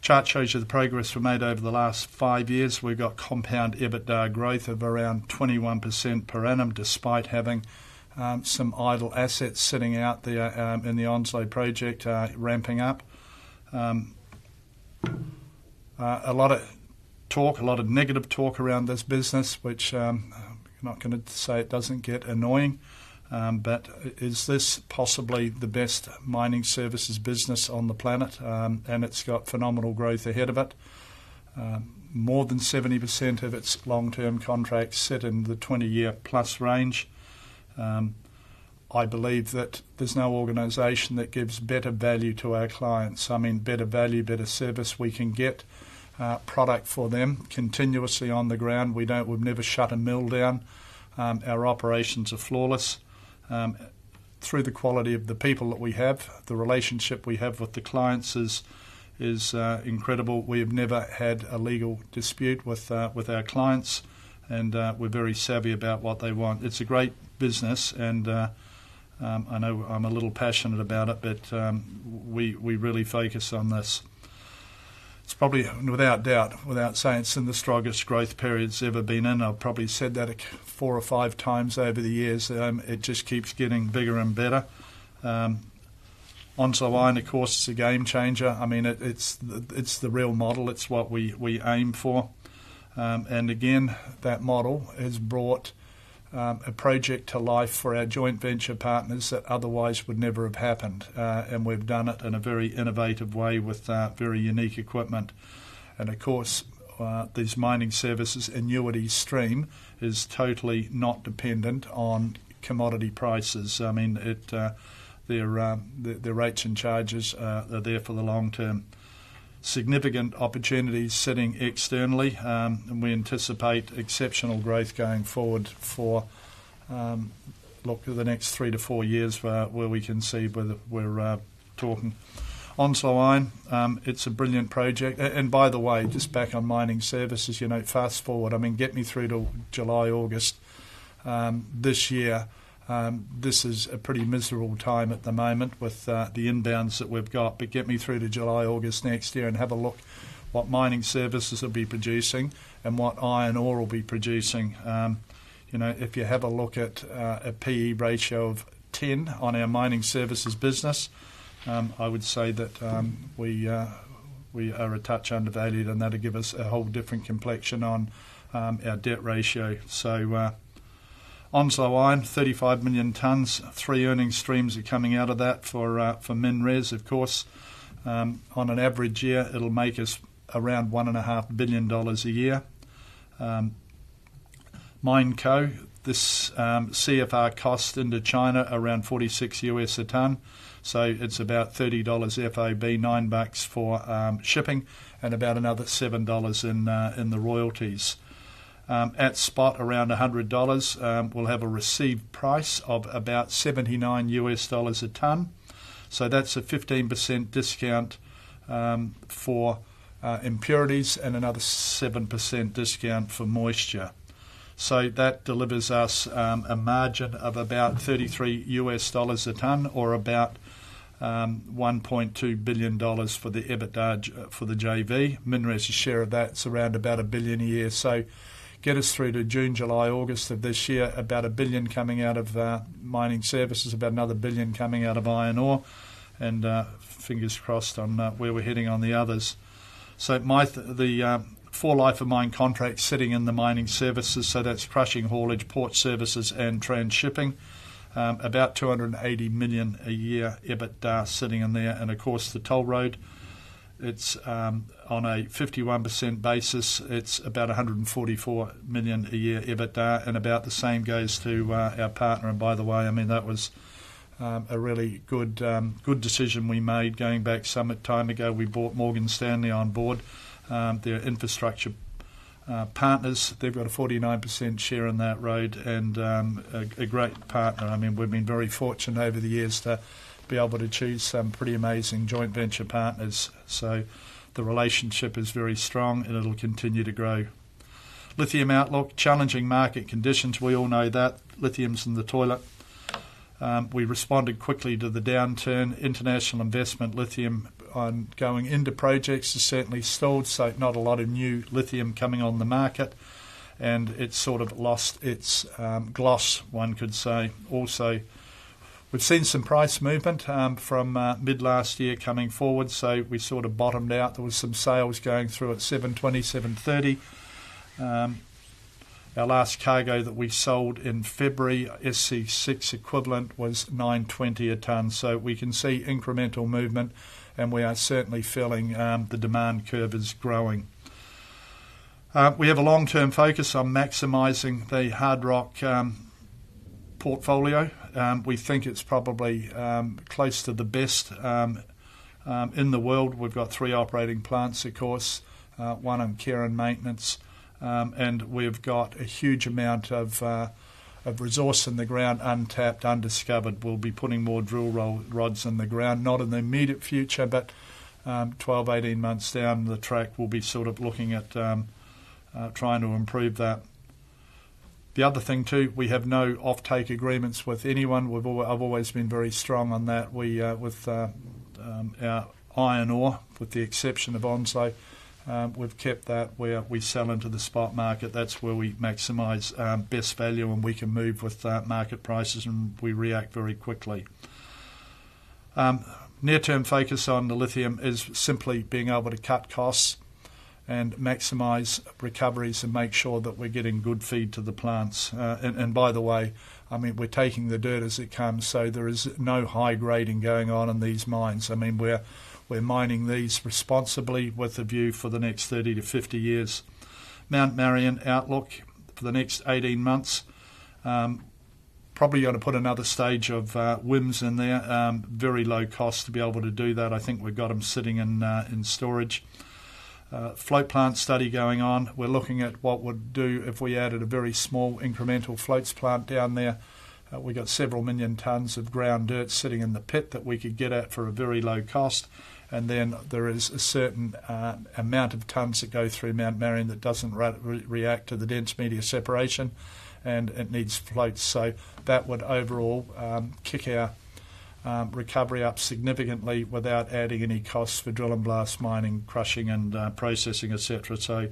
The chart shows you the progress we've made over the last five years. We've got compound EBITDA growth of around 21% per annum despite having some idle assets sitting out there in the Onslow project ramping up. A lot of talk, a lot of negative talk around this business, which I'm not going to say it doesn't get annoying, but is this possibly the best mining services business on the planet, and it's got phenomenal growth ahead of it. More than 70% of its long-term contracts sit in the 20-year plus range. I believe that there's no organization that gives better value to our clients. I mean, better value, better service. We can get product for them continuously on the ground. We've never shut a mill down. Our operations are flawless. Through the quality of the people that we have, the relationship we have with the clients is incredible. We have never had a legal dispute with our clients, and we're very savvy about what they want. It's a great business, and I know I'm a little passionate about it, but we really focus on this. It's probably, without doubt, without saying, it's in the strongest growth period it's ever been in. I've probably said that four or five times over the years. It just keeps getting bigger and better. Onslow Iron, of course, is a game changer. I mean, it's the real model. It's what we aim for, and again, that model has brought a project to life for our joint venture partners that otherwise would never have happened, and we've done it in a very innovative way with very unique equipment. And of course, these mining services annuity stream is totally not dependent on commodity prices. I mean, their rates and charges are there for the long term. Significant opportunities sitting externally. And we anticipate exceptional growth going forward for, look, the next three to four years where we can see where we're talking. Onslow Iron, it's a brilliant project. And by the way, just back on mining services, you know, fast forward, I mean, get me through to July, August this year. This is a pretty miserable time at the moment with the inbounds that we've got. But get me through to July, August next year and have a look at what mining services will be producing and what iron ore will be producing. If you have a look at a PE ratio of 10 on our mining services business, I would say that we are a touch undervalued. That'll give us a whole different complexion on our debt ratio. Onslow Iron, 35 million tonnes. Three earnings streams are coming out of that for MinRes, of course. On an average year, it'll make us around $1.5 billion a year. Mineco, this CFR cost into China around $46 a tonne. So it's about AUD 30 FOB, nine bucks for shipping and about another AUD 7 in the royalties. At spot, around AUD 100, we'll have a received price of about $79 a tonne. So that's a 15% discount for impurities and another 7% discount for moisture. So that delivers us a margin of about $33 a tonne or about 1.2 billion dollars for the EBITDA for the JV. MinRes's share of that's around about a billion a year. So get us through to June, July, August of this year, about 1 billion coming out of mining services, about another 1 billion coming out of iron ore. And fingers crossed on where we're heading on the others. So the four life of mine contract sitting in the mining services. So that's crushing haulage, port services, and transhipping. About 280 million a year EBITDA sitting in there. And of course, the toll road, it's on a 51% basis. It's about 144 million a year EBITDA. And about the same goes to our partner. And by the way, I mean, that was a really good decision we made going back some time ago. We bought Morgan Stanley on board. They're infrastructure partners. They've got a 49% share in that road and a great partner. I mean, we've been very fortunate over the years to be able to choose some pretty amazing joint venture partners. So the relationship is very strong and it'll continue to grow. Lithium outlook, challenging market conditions. We all know that. Lithium's in the toilet. We responded quickly to the downturn. International investment, lithium going into projects is certainly stalled. So not a lot of new lithium coming on the market. And it's sort of lost its gloss, one could say. Also, we've seen some price movement from mid-last year coming forward. So we sort of bottomed out. There were some sales going through at 720, 730. Our last cargo that we sold in February, SC6 equivalent, was $920 a tonne. So we can see incremental movement. And we are certainly feeling the demand curve is growing. We have a long-term focus on maximizing the Hard Rock portfolio. We think it's probably close to the best in the world. We've got three operating plants, of course. One on care and maintenance, and we've got a huge amount of resource in the ground, untapped, undiscovered. We'll be putting more drill rods in the ground, not in the immediate future, but 12-18 months down the track, we'll be sort of looking at trying to improve that. The other thing too, we have no offtake agreements with anyone. I've always been very strong on that. With our iron ore, with the exception of Onslow, we've kept that where we sell into the spot market. That's where we maximize best value and we can move with market prices and we react very quickly. Near-term focus on the lithium is simply being able to cut costs and maximize recoveries and make sure that we're getting good feed to the plants. By the way, I mean, we're taking the dirt as it comes. So there is no high grading going on in these mines. I mean, we're mining these responsibly with a view for the next 30-50 years. Mount Marion outlook for the next 18 months. Probably going to put another stage of WHIMS in there. Very low cost to be able to do that. I think we've got them sitting in storage. Float plant study going on. We're looking at what we'd do if we added a very small incremental float plant down there. We've got several million tonnes of ground dirt sitting in the pit that we could get at for a very low cost. And then there is a certain amount of tonnes that go through Mount Marion that doesn't react to the dense media separation. And it needs floats. That would overall kick our recovery up significantly without adding any costs for drill and blast mining, crushing, and processing, etc.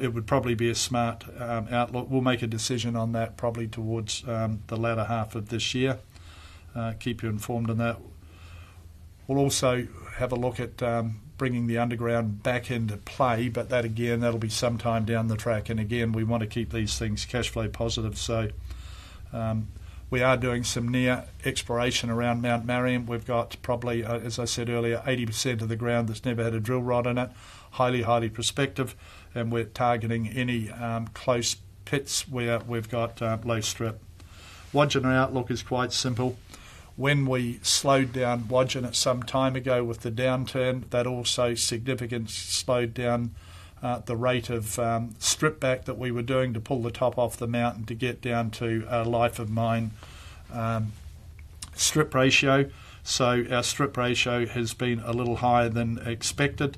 It would probably be a smart outlook. We'll make a decision on that probably towards the latter half of this year. We'll keep you informed on that. We'll also have a look at bringing the underground back into play. But that, again, that'll be sometime down the track. And again, we want to keep these things cash flow positive. We're doing some near exploration around Mt Marion. We've got probably, as I said earlier, 80% of the ground that's never had a drill rod in it. Highly, highly prospective. We're targeting any close pits where we've got low strip. Wodgina outlook is quite simple. When we slowed down Wodgina some time ago with the downturn, that also significantly slowed down the rate of strip back that we were doing to pull the top off the mountain to get down to a life of mine strip ratio. So our strip ratio has been a little higher than expected.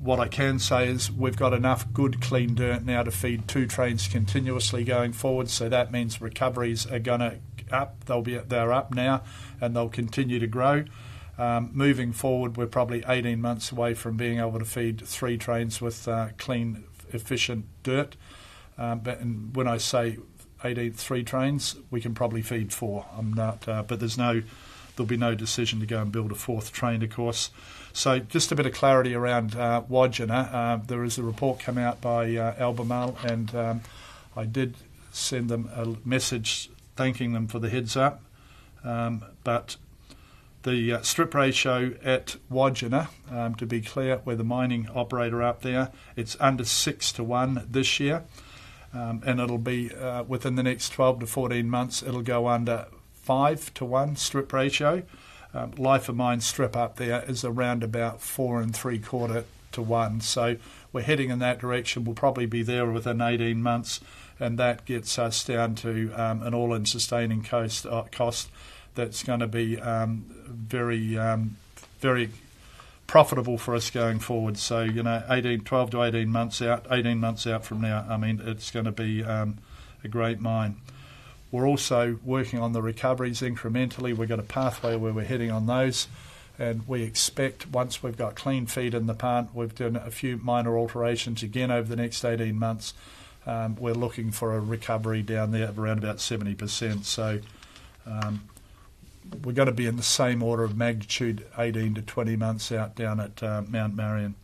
What I can say is we've got enough good clean dirt now to feed two trains continuously going forward. So that means recoveries are going to up. They're up now. And they'll continue to grow. Moving forward, we're probably 18 months away from being able to feed three trains with clean, efficient dirt. But when I say 18, three trains, we can probably feed four. But there'll be no decision to go and build a fourth train, of course. So just a bit of clarity around Wodgina. There is a report come out by Albemarle. And I did send them a message thanking them for the heads up. But the strip ratio at Wodgina, to be clear, we're the mining operator out there, it's under 6 to 1 this year. And it'll be within the next 12-14 months, it'll go under 5 to 1 strip ratio. Life of mine strip up there is around about 4 and three quarter to 1. So we're heading in that direction. We'll probably be there within 18 months. And that gets us down to an all-in sustaining cost that's going to be very profitable for us going forward. So 18, 12-18 months out, 18 months out from now, I mean, it's going to be a great mine. We're also working on the recoveries incrementally. We've got a pathway where we're heading on those. We expect once we've got clean feed in the plant, we've done a few minor alterations again over the next 18 months. We're looking for a recovery down there of around about 70%. So we're going to be in the same order of magnitude 18 to 20 months out down at Mt Marion.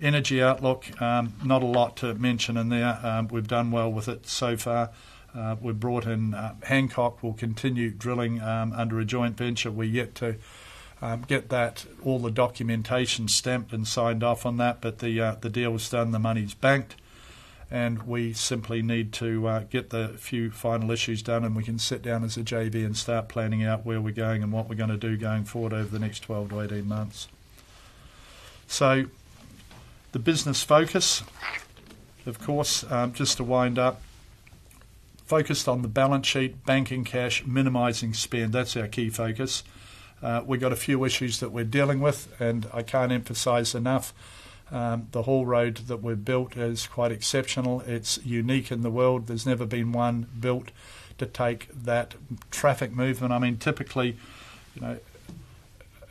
Energy outlook, not a lot to mention in there. We've done well with it so far. We've brought in Hancock. We'll continue drilling under a joint venture. We yet to get that all the documentation stamped and signed off on that. But the deal is done. The money's banked. And we simply need to get the few final issues done. And we can sit down as a JV and start planning out where we're going and what we're going to do going forward over the next 12 to 18 months. So the business focus, of course, just to wind up, focused on the balance sheet, banking cash, minimizing spend. That's our key focus. We've got a few issues that we're dealing with. And I can't emphasize enough, the haul road that we've built is quite exceptional. It's unique in the world. There's never been one built to take that traffic movement. I mean, typically,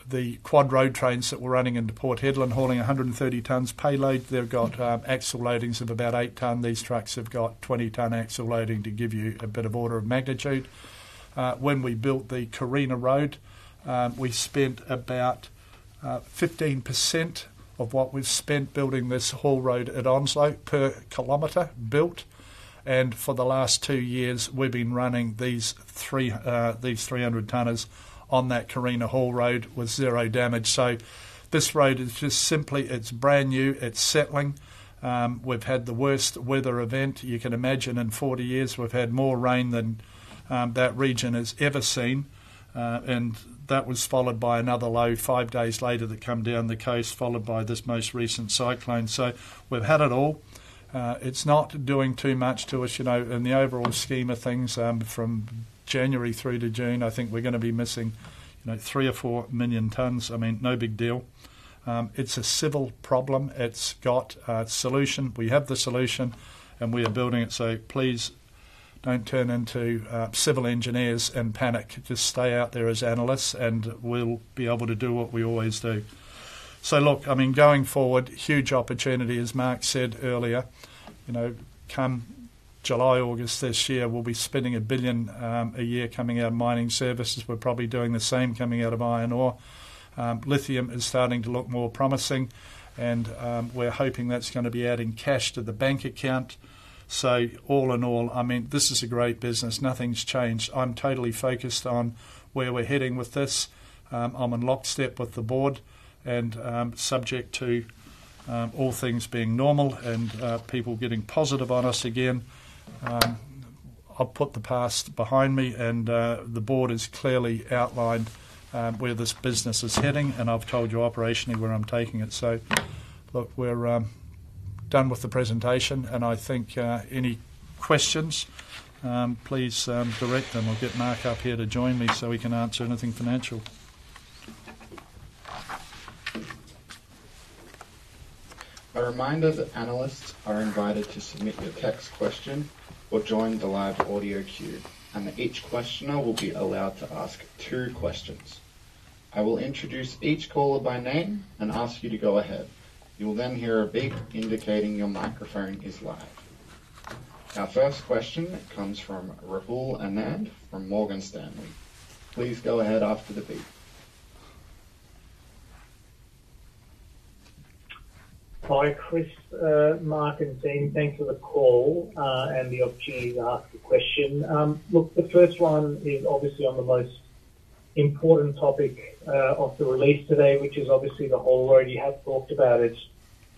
the quad road trains that we're running into Port Hedland hauling 130 tonnes payload, they've got axle loadings of about 8 tonnes. These trucks have got 20 tonnes axle loading to give you a bit of order of magnitude. When we built the Carina Road, we spent about 15% of what we've spent building this haul road at Onslow per kilometer built. And for the last two years, we've been running these 300 tonnes on that Carina Haul Road with zero damage. So this road is just simply, it's brand new, it's settling. We've had the worst weather event you can imagine in 40 years. We've had more rain than that region has ever seen, and that was followed by another low five days later that come down the coast, followed by this most recent cyclone, so we've had it all. It's not doing too much to us. In the overall scheme of things from January through to June, I think we're going to be missing three or four million tonnes. I mean, no big deal. It's a civil problem. It's got a solution. We have the solution, and we are building it, so please don't turn into civil engineers and panic. Just stay out there as analysts, and we'll be able to do what we always do. So look, I mean, going forward, huge opportunity, as Mark said earlier. Come July, August this year, we'll be spending 1 billion a year coming out of mining services. We're probably doing the same coming out of iron ore. Lithium is starting to look more promising. And we're hoping that's going to be adding cash to the bank account. So all in all, I mean, this is a great business. Nothing's changed. I'm totally focused on where we're heading with this. I'm in lockstep with the board. And subject to all things being normal and people getting positive on us again, I've put the past behind me. And the board has clearly outlined where this business is heading. And I've told you operationally where I'm taking it. So look, we're done with the presentation. And I think any questions, please direct them. I'll get Mark up here to join me so we can answer anything financial. A reminder, the analysts are invited to submit your text question or join the live audio queue. Each questioner will be allowed to ask two questions. I will introduce each caller by name and ask you to go ahead. You'll then hear a beep indicating your microphone is live. Our first question comes from Rahul Anand from Morgan Stanley. Please go ahead after the beep. Hi, Chris, Mark and team. Thanks for the call and the opportunity to ask a question. Look, the first one is obviously on the most important topic of the release today, which is obviously the haul road. You have talked about it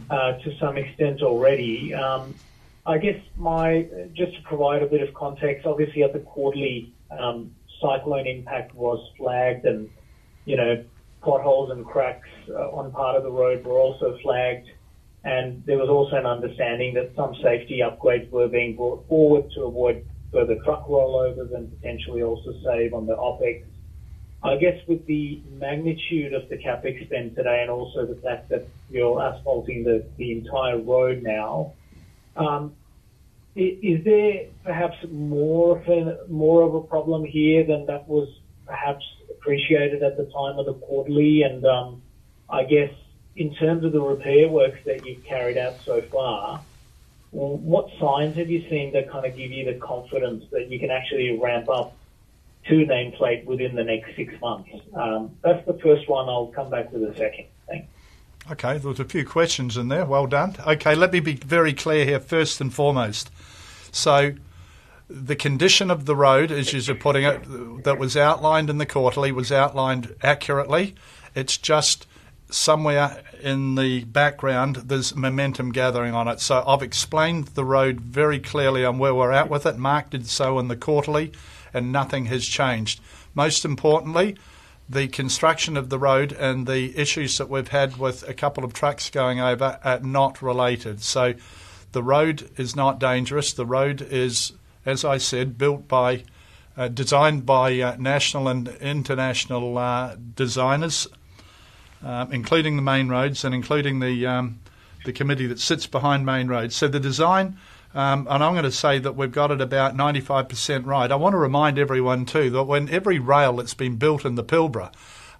to some extent already. I guess just to provide a bit of context, obviously at the quarterly, cyclone impact was flagged. And potholes and cracks on part of the road were also flagged. There was also an understanding that some safety upgrades were being brought forward to avoid further truck rollovers and potentially also save on the OpEx. I guess with the magnitude of the CapEx today and also the fact that you're asphalting the entire road now, is there perhaps more of a problem here than that was perhaps appreciated at the time of the quarterly? I guess in terms of the repair work that you've carried out so far, what signs have you seen that kind of give you the confidence that you can actually ramp up to nameplate within the next six months? That's the first one. I'll come back to the second. Thanks. Okay. There was a few questions in there. Well done. Okay. Let me be very clear here, first and foremost. So the condition of the road, as you're putting it, that was outlined in the quarterly, was outlined accurately. It's just somewhere in the background, there's momentum gathering on it. So I've explained the road very clearly on where we're at with it. Mark did so in the quarterly. And nothing has changed. Most importantly, the construction of the road and the issues that we've had with a couple of trucks going over are not related. So the road is not dangerous. The road is, as I said, built by, designed by national and international designers, including the Main Roads and including the committee that sits behind Main Roads. So the design, and I'm going to say that we've got it about 95% right. I want to remind everyone too that when every railway that's been built in the Pilbara,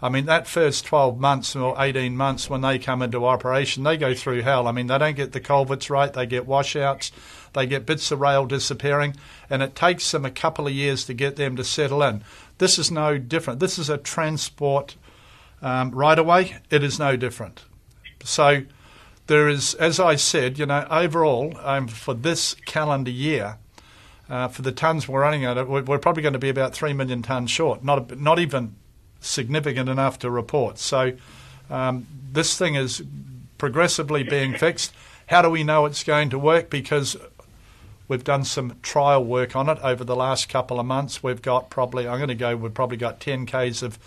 I mean, that first 12 months or 18 months when they come into operation, they go through hell. I mean, they don't get the culverts right. They get washouts. They get bits of rail disappearing. And it takes them a couple of years to get them to settle in. This is no different. This is a transport railway. It is no different. So there is, as I said, overall, for this calendar year, for the tonnes we're running at it, we're probably going to be about 3 million tonnes short, not even significant enough to report. So this thing is progressively being fixed. How do we know it's going to work? Because we've done some trial work on it over the last couple of months. We've got probably. I'm going to go. We've probably got 10 km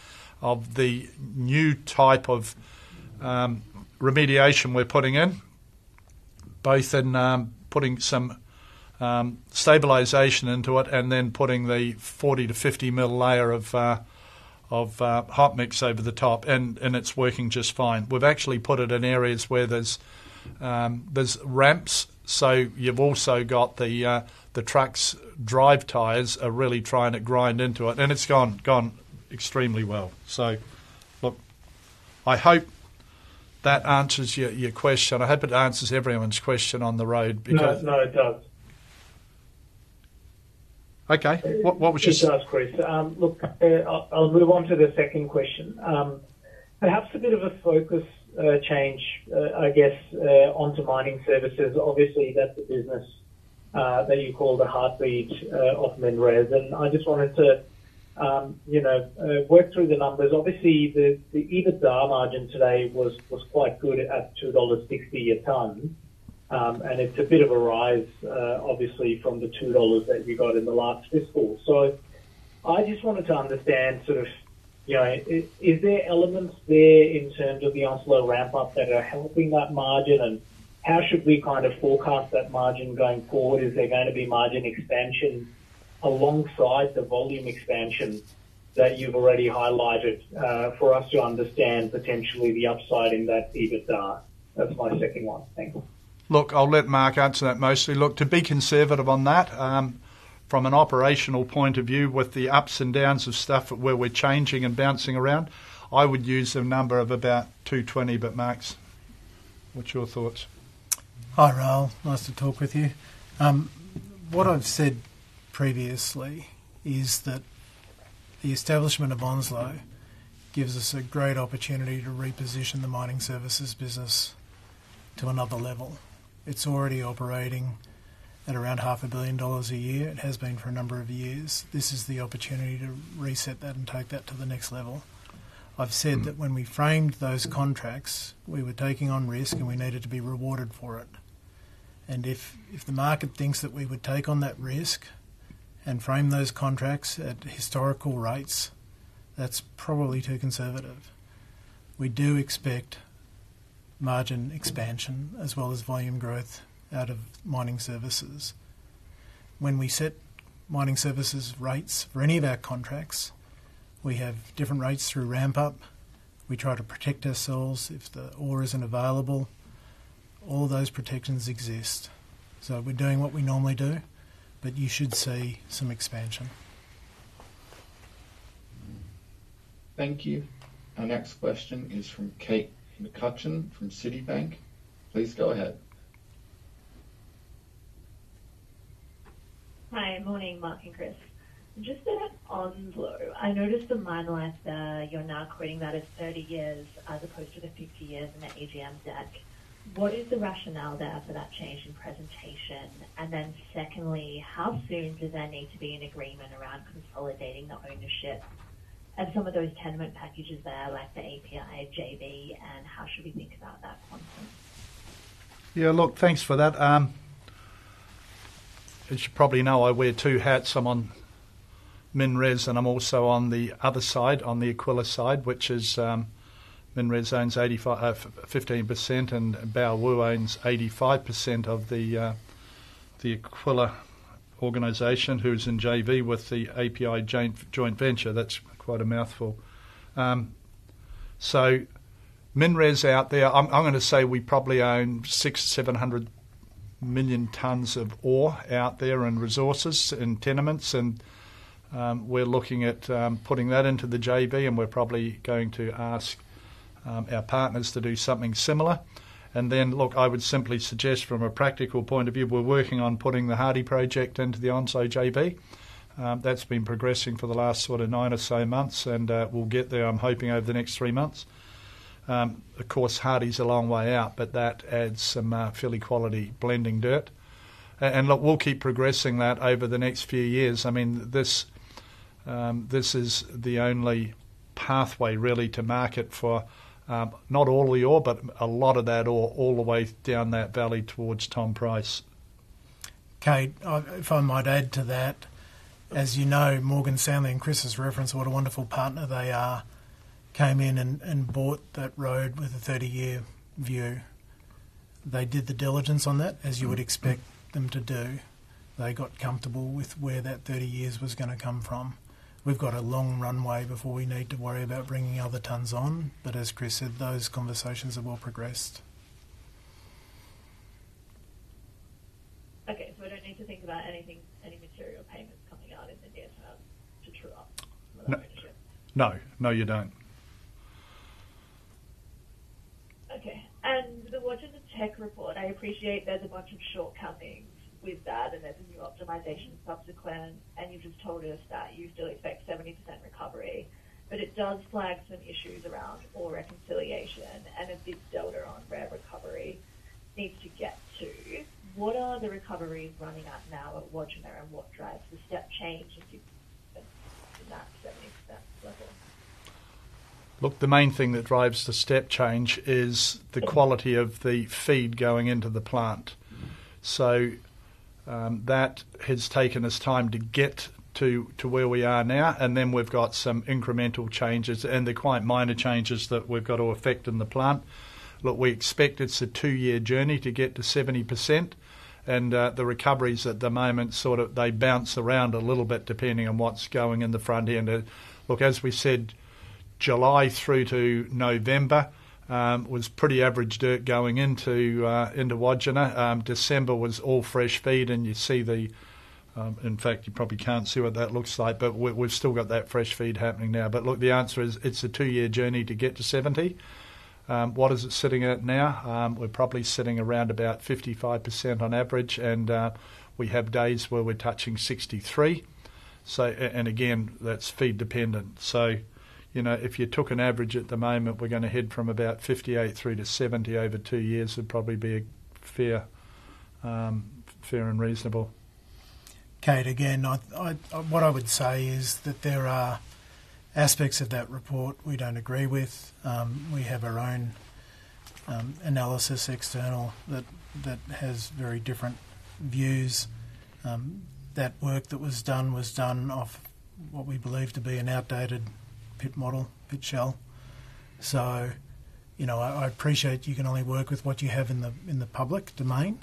of the new type of remediation we're putting in, both in putting some stabilization into it and then putting the 40- to 50-mm layer of hot mix over the top, and it's working just fine. We've actually put it in areas where there's ramps. So you've also got the truck's drive tyres are really trying to grind into it, and it's gone extremely well. So look, I hope that answers your question. I hope it answers everyone's question on the road because... No, it does. Okay. What was your question? Just ask, Chris. Look, I'll move on to the second question. Perhaps a bit of a focus change, I guess, onto mining services. Obviously, that's the business that you call the heartbeat of MinRes, and I just wanted to work through the numbers. Obviously, the EBITDA margin today was quite good at 2.60 dollars a tonne. And it's a bit of a rise, obviously, from the 2 dollars that you got in the last fiscal. So I just wanted to understand sort of, is there elements there in terms of the Onslow ramp-up that are helping that margin? And how should we kind of forecast that margin going forward? Is there going to be margin expansion alongside the volume expansion that you've already highlighted for us to understand potentially the upside in that EBITDA? That's my second one. Thanks. Look, I'll let Mark answer that mostly. Look, to be conservative on that, from an operational point of view, with the ups and downs of stuff where we're changing and bouncing around, I would use a number of about 2.20. What's your thoughts? Hi, Rahul. Nice to talk with you. What I've said previously is that the establishment of Onslow gives us a great opportunity to reposition the mining services business to another level. It's already operating at around 500 million dollars a year. It has been for a number of years. This is the opportunity to reset that and take that to the next level. I've said that when we framed those contracts, we were taking on risk and we needed to be rewarded for it. And if the market thinks that we would take on that risk and frame those contracts at historical rates, that's probably too conservative. We do expect margin expansion as well as volume growth out of mining services. When we set mining services rates for any of our contracts, we have different rates through ramp-up. We try to protect ourselves if the ore isn't available. All those protections exist. So we're doing what we normally do, but you should see some expansion. Thank you. Our next question is from Kate McCutcheon from Citibank. Please go ahead. Hi. Morning, Mark and Chris. Just at Onslow, I noticed the mine life you're now stating that as 30 years as opposed to the 50 years in the AGM deck. What is the rationale there for that change in presentation? And then secondly, how soon does there need to be an agreement around consolidating the ownership of some of those tenement packages there like the API JV? And how should we think about that context? Yeah. Look, thanks for that. As you probably know, I wear two hats. I'm on MinRes and I'm also on the other side, on the Aquila side, which is MinRes owns 15% and Baowu owns 85% of the Aquila organization who is in JV with the API joint venture. That's quite a mouthful. MinRes out there, I'm going to say we probably own 600-700 million tonnes of ore out there and resources and tenements. We're looking at putting that into the JV. We're probably going to ask our partners to do something similar. Look, I would simply suggest from a practical point of view, we're working on putting the Hardey project into the Onslow JV. That's been progressing for the last sort of nine or so months. We'll get there, I'm hoping, over the next three months. Of course, Hardey's a long way out, but that adds some filler quality blending dirt. And look, we'll keep progressing that over the next few years. I mean, this is the only pathway really to market for not all the ore, but a lot of that ore all the way down that valley towards Tom Price. Okay. If I might add to that, as you know, Morgan Stanley and Chris's reference, what a wonderful partner they are, came in and bought that road with a 30-year view. They did the diligence on that, as you would expect them to do. They got comfortable with where that 30 years was going to come from. We've got a long runway before we need to worry about bringing other tonnes on. But as Chris said, those conversations have all progressed. Okay. So we don't need to think about any material payments coming out in the near term to true up some of that ownership? No. No, you don't. Okay. And the Wodgina tech report, I appreciate there's a bunch of shortcomings with that. And there's a new optimization subsequent. And you've just told us that you still expect 70% recovery. But it does flag some issues around ore reconciliation and a big delta on ore recovery needs to get to. What are the recoveries running at now at Wodgina and what drives the step change? Look, the main thing that drives the step change is the quality of the feed going into the plant. So that has taken us time to get to where we are now. And then we've got some incremental changes and then quite minor changes that we've got to effect in the plant. Look, we expect it's a two-year journey to get to 70%. The recoveries at the moment, sort of they bounce around a little bit depending on what's going in the front end. Look, as we said, July through to November was pretty average dirt going into Wodgina. December was all fresh feed. You see the. In fact, you probably can't see what that looks like, but we've still got that fresh feed happening now. Look, the answer is it's a two-year journey to get to 70%. What is it sitting at now? We're probably sitting around about 55% on average. We have days where we're touching 63%. Again, that's feed dependent. So if you took an average at the moment, we're going to head from about 58%-70% over two years would probably be fair and reasonable. Okay. Again, what I would say is that there are aspects of that report we don't agree with. We have our own analysis, external, that has very different views. That work that was done was done off what we believe to be an outdated pit model, pit shell. So I appreciate you can only work with what you have in the public domain.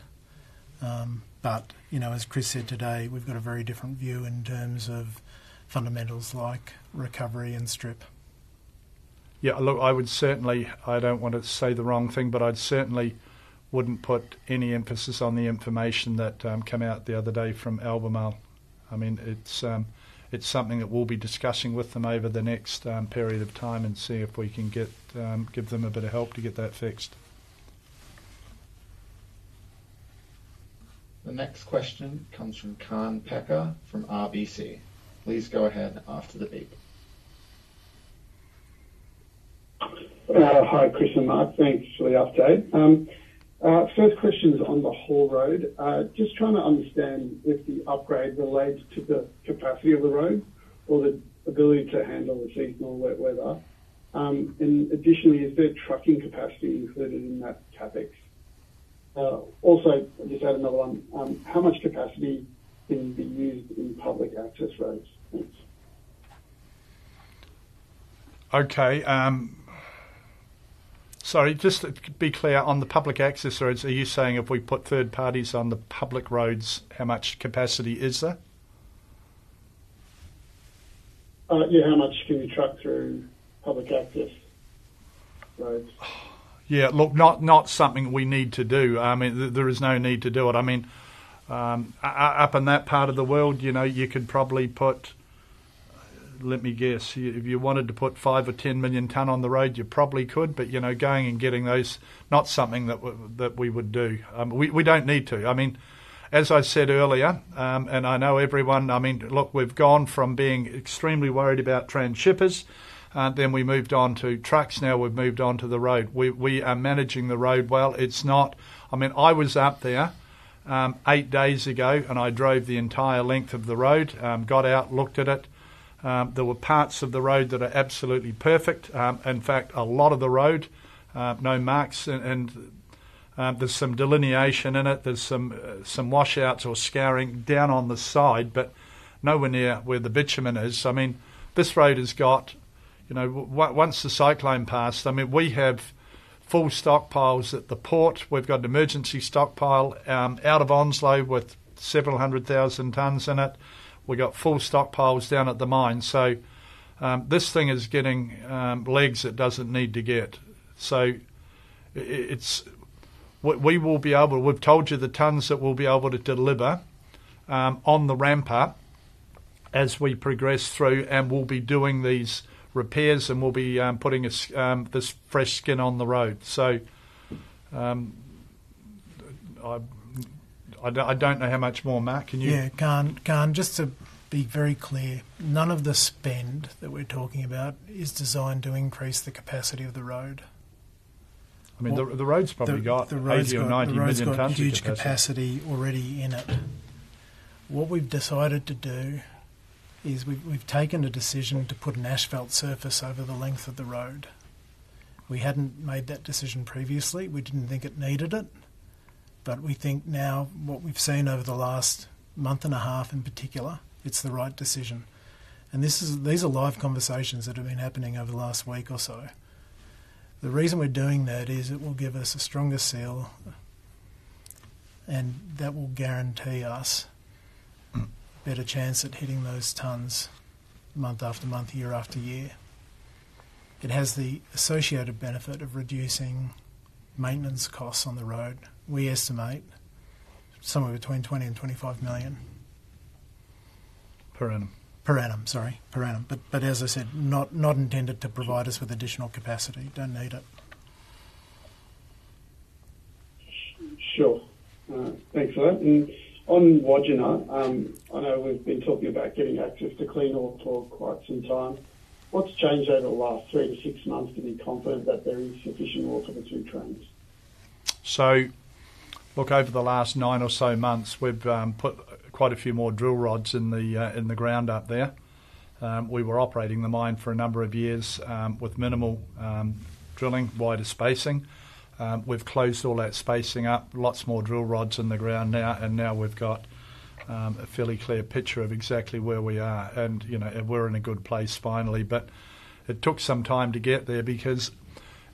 But as Chris said today, we've got a very different view in terms of fundamentals like recovery and strip. Yeah. Look, I would certainly, I don't want to say the wrong thing, but I certainly wouldn't put any emphasis on the information that came out the other day from Albemarle. I mean, it's something that we'll be discussing with them over the next period of time and see if we can give them a bit of help to get that fixed. The next question comes from Kaan Peker from RBC. Please go ahead after the beep. Hi, Chris and Mark. Thanks for the update. First question is on the haul road. Just trying to understand if the upgrade relates to the capacity of the road or the ability to handle the seasonal wet weather. And additionally, is there trucking capacity included in that CapEx? Also, I just had another one. How much capacity can be used in public access roads? Thanks. Okay. Sorry. Just to be clear on the public access roads, are you saying if we put third parties on the public roads, how much capacity is there? Yeah. How much can you truck through public access roads? Yeah. Look, not something we need to do. I mean, there is no need to do it. I mean, up in that part of the world, you could probably put, let me guess, if you wanted to put five or 10 million tonne on the road, you probably could. But going and getting those, not something that we would do. We don't need to. I mean, as I said earlier, and I know everyone, I mean, look, we've gone from being extremely worried about transhippers, then we moved on to trucks. Now we've moved on to the road. We are managing the road well. I mean, I was up there eight days ago and I drove the entire length of the road, got out, looked at it. There were parts of the road that are absolutely perfect. In fact, a lot of the road, no marks. And there's some delineation in it. There's some washouts or scouring down on the side, but nowhere near where the bitumen is. I mean, this road has got, once the cyclone passed, I mean, we have full stockpiles at the port. We've got an emergency stockpile out of Onslow with several hundred thousand tonnes in it. We've got full stockpiles down at the mine. So this thing is getting legs it doesn't need to get. So we will be able to, we've told you the tonnes that we'll be able to deliver on the ramp-up as we progress through. And we'll be doing these repairs and we'll be putting this fresh skin on the road. So I don't know how much more, Mark. Can you? Yeah. Kaan, just to be very clear, none of the spend that we're talking about is designed to increase the capacity of the road. I mean, the road's probably got 80 or 90 million tonnes. There's a huge capacity already in it. What we've decided to do is we've taken a decision to put an asphalt surface over the length of the road. We hadn't made that decision previously. We didn't think it needed it. But we think now what we've seen over the last month and a half in particular, it's the right decision. And these are live conversations that have been happening over the last week or so. The reason we're doing that is it will give us a stronger seal. And that will guarantee us a better chance at hitting those tonnes month after month, year after year. It has the associated benefit of reducing maintenance costs on the road. We estimate somewhere between 20 million and 25 million. Per annum. Per annum. Sorry. Per annum. But as I said, not intended to provide us with additional capacity. Don't need it. Sure. Thanks for that. And on Wodgina, I know we've been talking about getting access to clean ore for quite some time. What's changed over the last three to six months to be confident that there is sufficient ore for the two trains? So look, over the last nine or so months, we've put quite a few more drill rods in the ground up there. We were operating the mine for a number of years with minimal drilling, wider spacing. We've closed all that spacing up. Lots more drill rods in the ground now. And now we've got a fairly clear picture of exactly where we are. And we're in a good place finally. It took some time to get there because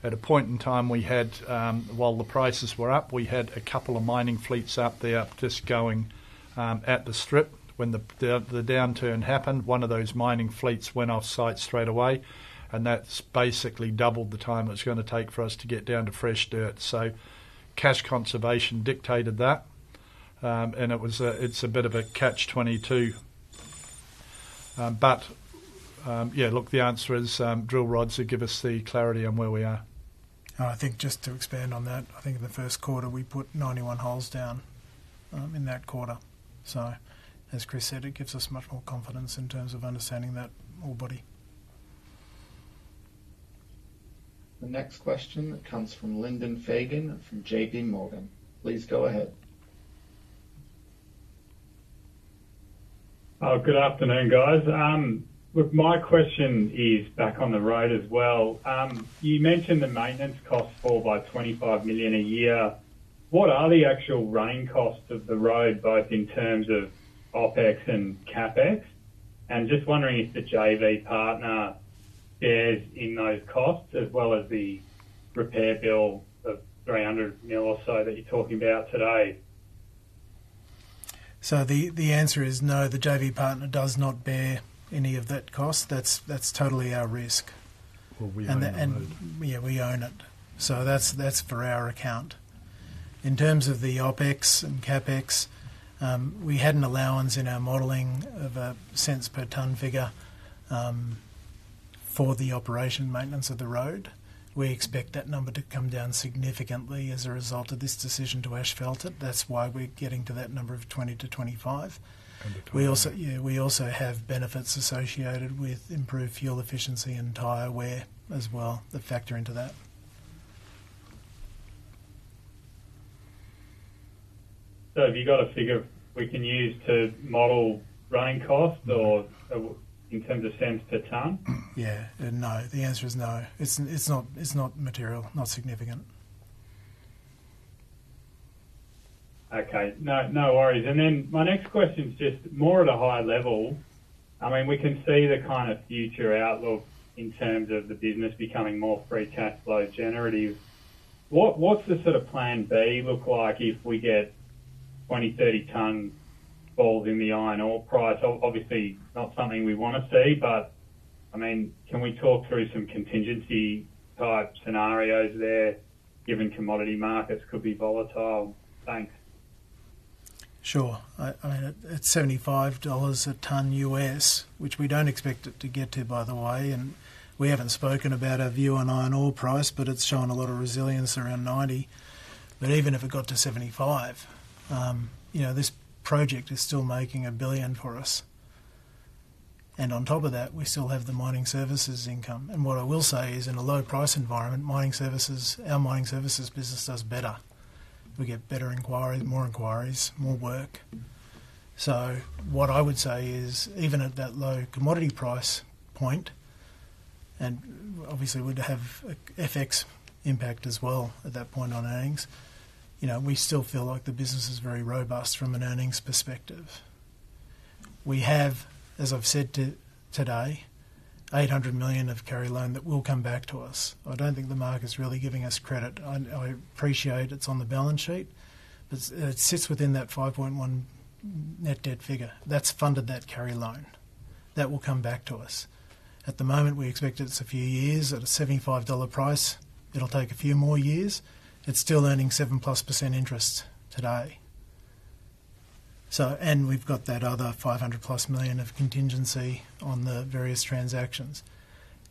at a point in time, while the prices were up, we had a couple of mining fleets out there just going at the strip when the downturn happened. One of those mining fleets went off site straight away. That's basically doubled the time it was going to take for us to get down to fresh dirt. So cash conservation dictated that. It's a bit of a catch-22. Yeah, look, the answer is drill rods that give us the clarity on where we are. I think just to expand on that, I think in the first quarter, we put 91 holes down in that quarter. So as Chris said, it gives us much more confidence in terms of understanding that ore body. The next question comes from Lyndon Fagan from J.P. Morgan. Please go ahead. Good afternoon, guys. Look, my question is back on the road as well. You mentioned the maintenance cost fall by 25 million a year. What are the actual running costs of the road, both in terms of OpEx and CapEx? And just wondering if the JV partner bears in those costs as well as the repair bill of 300 million or so that you're talking about today. So the answer is no. The JV partner does not bear any of that cost. That's totally our risk. And yeah, we own it. So that's for our account. In terms of the OpEx and CapEx, we had an allowance in our modeling of a cents per tonne figure for the operation maintenance of the road. We expect that number to come down significantly as a result of this decision to asphalt it. That's why we're getting to that number of 20-25. Yeah. We also have benefits associated with improved fuel efficiency and tyre wear as well that factor into that. So have you got a figure we can use to model running costs in terms of cents per tonne? Yeah. No. The answer is no. It's not material. Not significant. Okay. No worries. And then my next question's just more at a higher level. I mean, we can see the kind of future outlook in terms of the business becoming more free cash flow generative. What's the sort of plan B look like if we get 20, 30% falls in the iron ore price? Obviously, not something we want to see. But I mean, can we talk through some contingency-type scenarios there given commodity markets could be volatile? Thanks. Sure. I mean, at $75 a tonne USD, which we don't expect it to get to, by the way. We haven't spoken about our view on iron ore price, but it's shown a lot of resilience around $90. But even if it got to $75, this project is still making 1 billion for us. And on top of that, we still have the mining services income. And what I will say is in a low-price environment, our mining services business does better. We get better inquiries, more inquiries, more work. So what I would say is even at that low commodity price point, and obviously we'd have FX impact as well at that point on earnings, we still feel like the business is very robust from an earnings perspective. We have, as I've said today, 800 million of carry loan that will come back to us. I don't think the market's really giving us credit. I appreciate it's on the balance sheet, but it sits within that 5.1 net debt figure. That's funded that carry loan. That will come back to us. At the moment, we expect it's a few years. At a $75 price, it'll take a few more years. It's still earning 7% plus interest today. And we've got that other 500+ million of contingency on the various transactions.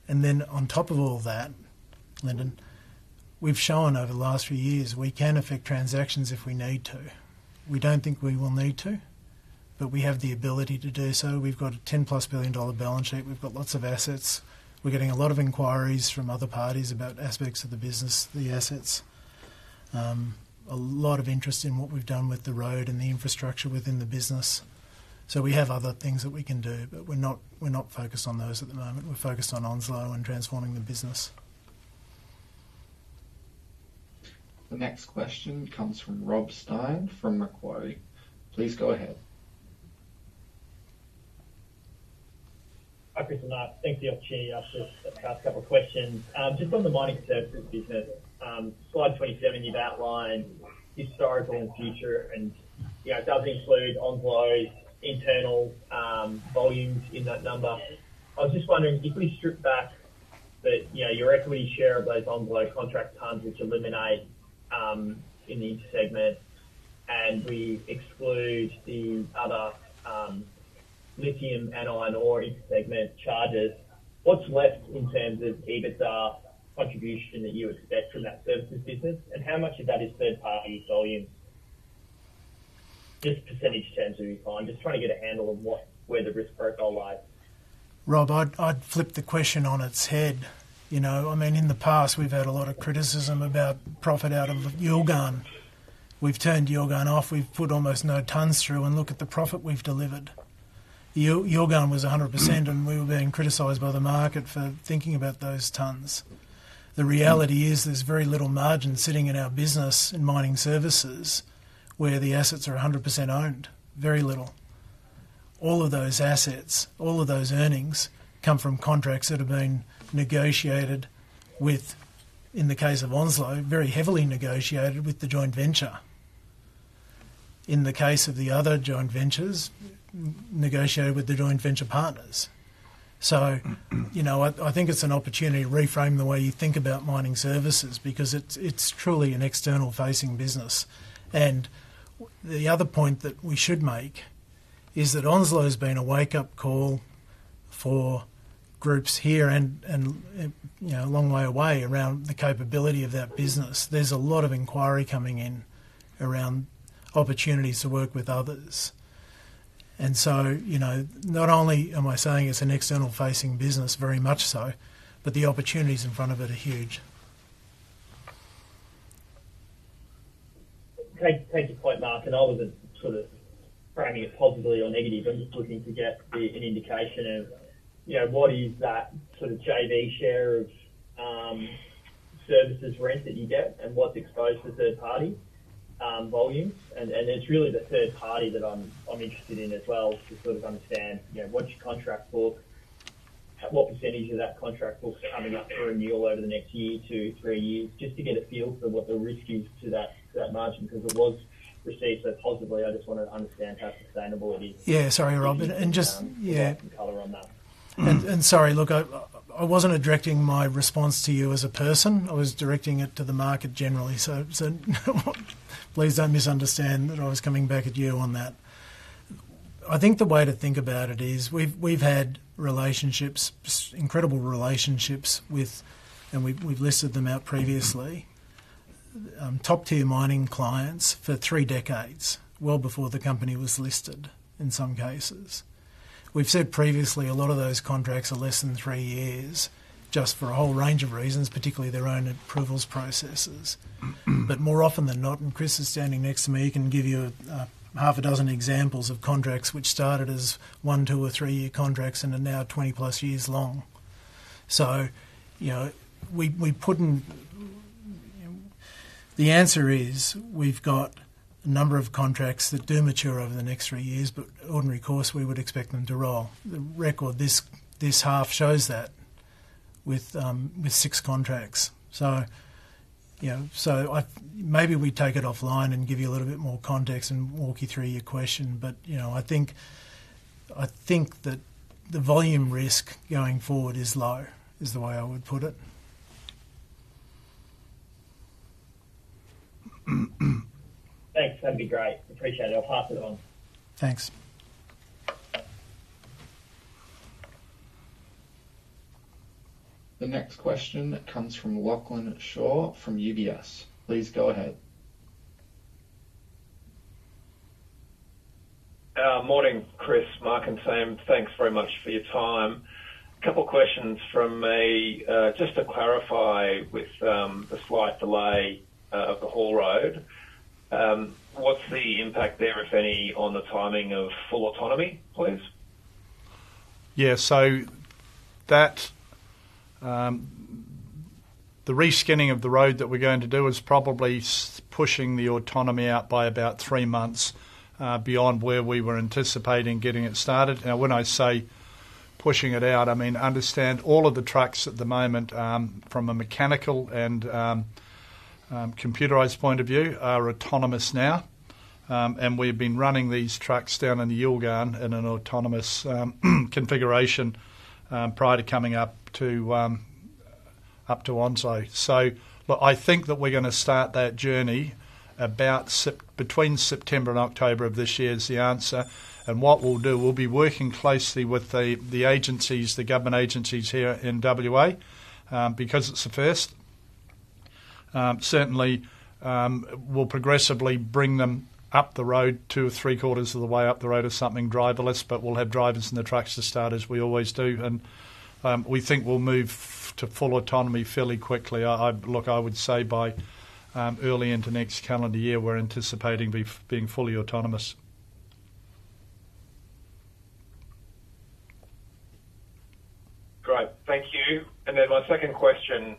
And then on top of all that, Lyndon, we've shown over the last few years we can affect transactions if we need to. We don't think we will need to, but we have the ability to do so. We've got a 10+ billion dollar balance sheet. We've got lots of assets. We're getting a lot of inquiries from other parties about aspects of the business, the assets. A lot of interest in what we've done with the road and the infrastructure within the business. So we have other things that we can do, but we're not focused on those at the moment. We're focused on Onslow and transforming the business. The next question comes from Rob Stein from Macquarie. Please go ahead. Hi, Chris and Mark. Thank you for the opportunity to ask a couple of questions. Just on the mining services business, slide 27, you've outlined historical and future, and it does include Onslow's internal volumes in that number. I was just wondering, if we strip back your equity share of those Onslow contract tonnes, which eliminate in the intersegment, and we exclude the other lithium and iron ore intersegment charges, what's left in terms of EBITDA contribution that you expect from that services business? And how much of that is third-party volumes? Just percentage terms would be fine. Just trying to get a. Rob, I'd flip the question on its head. I mean, in the past, we've had a lot of criticism about profit out of Yilgarn. We've turned Yilgarn off. We've put almost no tonnes through and look at the profit we've delivered. Yilgarn was 100%, and we were being criticized by the market for thinking about those tonnes. The reality is there's very little margin sitting in our business in mining services where the assets are 100% owned. Very little. All of those assets, all of those earnings come from contracts that have been negotiated with, in the case of Onslow, very heavily negotiated with the joint venture. In the case of the other joint ventures, negotiated with the joint venture partners. So I think it's an opportunity to reframe the way you think about mining services because it's truly an external-facing business. And the other point that we should make is that Onslow has been a wake-up call for groups here and a long way away around the capability of that business. There's a lot of inquiry coming in around opportunities to work with others. And so not only am I saying it's an external-facing business, very much so, but the opportunities in front of it are huge. Take your point, Mark. And I wasn't sort of framing it positively or negative. I'm just looking to get an indication of what is that sort of JV share of services rent that you get and what's exposed to third-party volumes. It's really the third party that I'm interested in as well to sort of understand what's your contract book, what percentage of that contract book's coming up for renewal over the next year, two, three years, just to get a feel for what the risk is to that margin because it was. Yeah. Sorry, Rob. And just, yeah. Color on that. And sorry, look, I wasn't directing my response to you as a person. I was directing it to the market generally. So please don't misunderstand that I was coming back at you on that. I think the way to think about it is we've had relationships, incredible relationships with, and we've listed them out previously, top-tier mining clients for three decades, well before the company was listed in some cases. We've said previously a lot of those contracts are less than three years just for a whole range of reasons, particularly their own approvals processes. But more often than not, and Chris is standing next to me, he can give you half a dozen examples of contracts which started as one, two, or three-year contracts and are now 20 plus years long. So we put in the answer is we've got a number of contracts that do mature over the next three years, but ordinary course, we would expect them to roll. The record this half shows that with six contracts. So maybe we take it offline and give you a little bit more context and walk you through your question. But I think that the volume risk going forward is low is the way I would put it. Thanks. That'd be great. Appreciate it. I'll pass it on. Thanks. The next question comes from Lachlan Shaw from UBS. Please go ahead. Morning, Chris, Mark and Sam. Thanks very much for your time. A couple of questions from me. Just to clarify with the slight delay of the haul road, what's the impact there, if any, on the timing of full autonomy, please? Yeah. So the reskinning of the road that we're going to do is probably pushing the autonomy out by about three months beyond where we were anticipating getting it started. Now, when I say pushing it out, I mean understand all of the trucks at the moment from a mechanical and computerized point of view are autonomous now. And we've been running these trucks down in the Yilgarn in an autonomous configuration prior to coming up to Onslow. So look, I think that we're going to start that journey between September and October of this year is the answer. And what we'll do, we'll be working closely with the government agencies here in WA because it's a first. Certainly, we'll progressively bring them up the road, two or three quarters of the way up the road or something driverless, but we'll have drivers in the trucks to start as we always do. And we think we'll move to full autonomy fairly quickly. Look, I would say by early into next calendar year, we're anticipating being fully autonomous. Great. Thank you. And then my second question.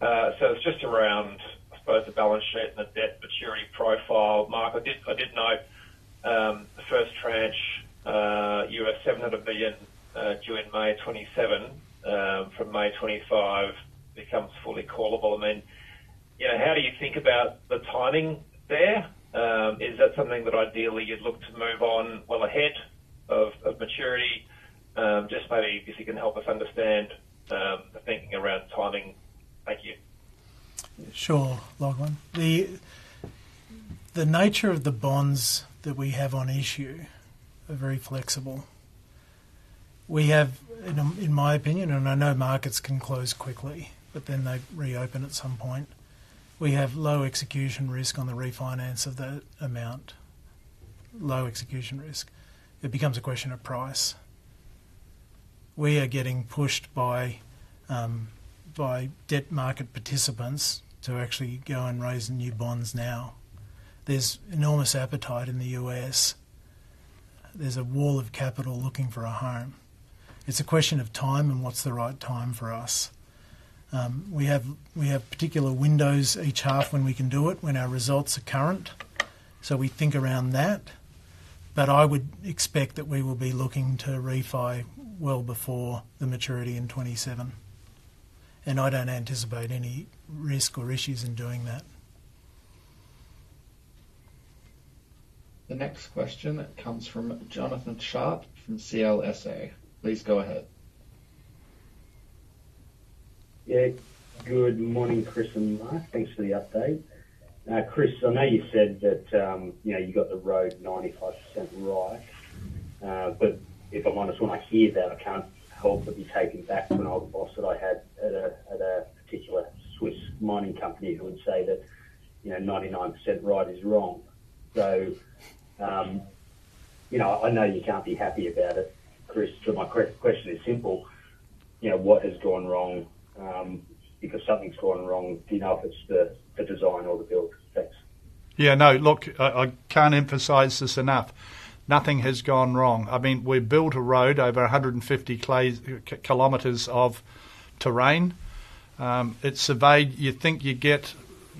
So it's just around, I suppose, the balance sheet and the debt maturity profile. Mark, I did note the first tranche $700 million due in May 2027. From May 2025, it becomes fully callable. I mean, how do you think about the timing there? Is that something that ideally you'd look to move on well ahead of maturity? Just maybe if you can help us understand. Sure. Logan. The nature of the bonds that we have on issue are very flexible. We have, in my opinion, and I know markets can close quickly, but then they reopen at some point. We have low execution risk on the refinance of that amount. Low execution risk. It becomes a question of price. We are getting pushed by debt market participants to actually go and raise new bonds now. There's enormous appetite in the US. There's a wall of capital looking for a home. It's a question of time and what's the right time for us. We have particular windows each half when we can do it, when our results are current. So we think around that. But I would expect that we will be looking to refi well before the maturity in 2027. And I don't anticipate any risk or issues in doing that. The next question comes from Jonathan Sharp from CLSA. Please go ahead. Yeah. Good morning, Chris and Mark. Thanks for the update. Chris, I know you said that you got the road 95% right. But if I might just want to hear that, I can't help but be taken back to an old boss that I had at a particular Swiss mining company who would say that 99% right is wrong. So I know you can't be happy about it, Chris. But my question is simple. What has gone wrong? Because something's gone wrong. Do you know if it's the design or the build? Thanks. Yeah. No. Look, I can't emphasize this enough. Nothing has gone wrong. I mean, we built a road over 150 kilometers of terrain. It's surveyed. You think you get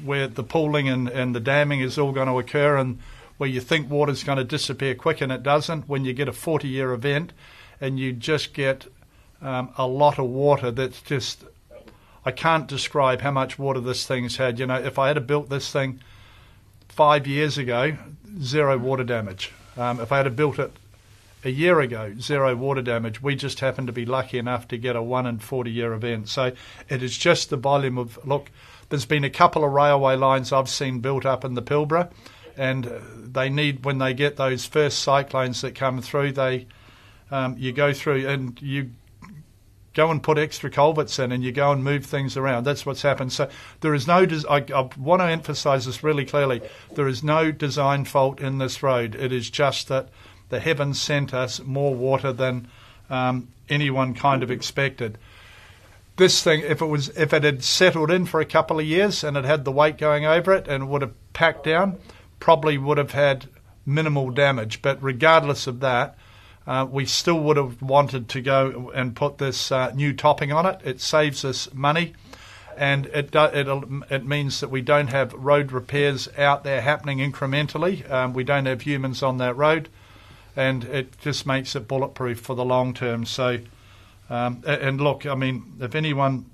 where the pooling and the damming is all going to occur and where you think water's going to disappear quick, and it doesn't when you get a 40-year event and you just get a lot of water that's just I can't describe how much water this thing's had. If I had built this thing five years ago, zero water damage. If I had built it a year ago, zero water damage. We just happened to be lucky enough to get a one in 40-year event. So it is just the volume. Look, there's been a couple of railway lines I've seen built up in the Pilbara, and when they get those first cyclones that come through, you go through and you go and put extra culverts in and you go and move things around. That's what's happened. So there is no. I want to emphasize this really clearly. There is no design fault in this road. It is just that the heavens sent us more water than anyone kind of expected. This thing, if it had settled in for a couple of years and it had the weight going over it and it would have packed down, probably would have had minimal damage. But regardless of that, we still would have wanted to go and put this new topping on it. It saves us money. It means that we don't have road repairs out there happening incrementally. We don't have humans on that road. And it just makes it bulletproof for the long term. Look, I mean, if anyone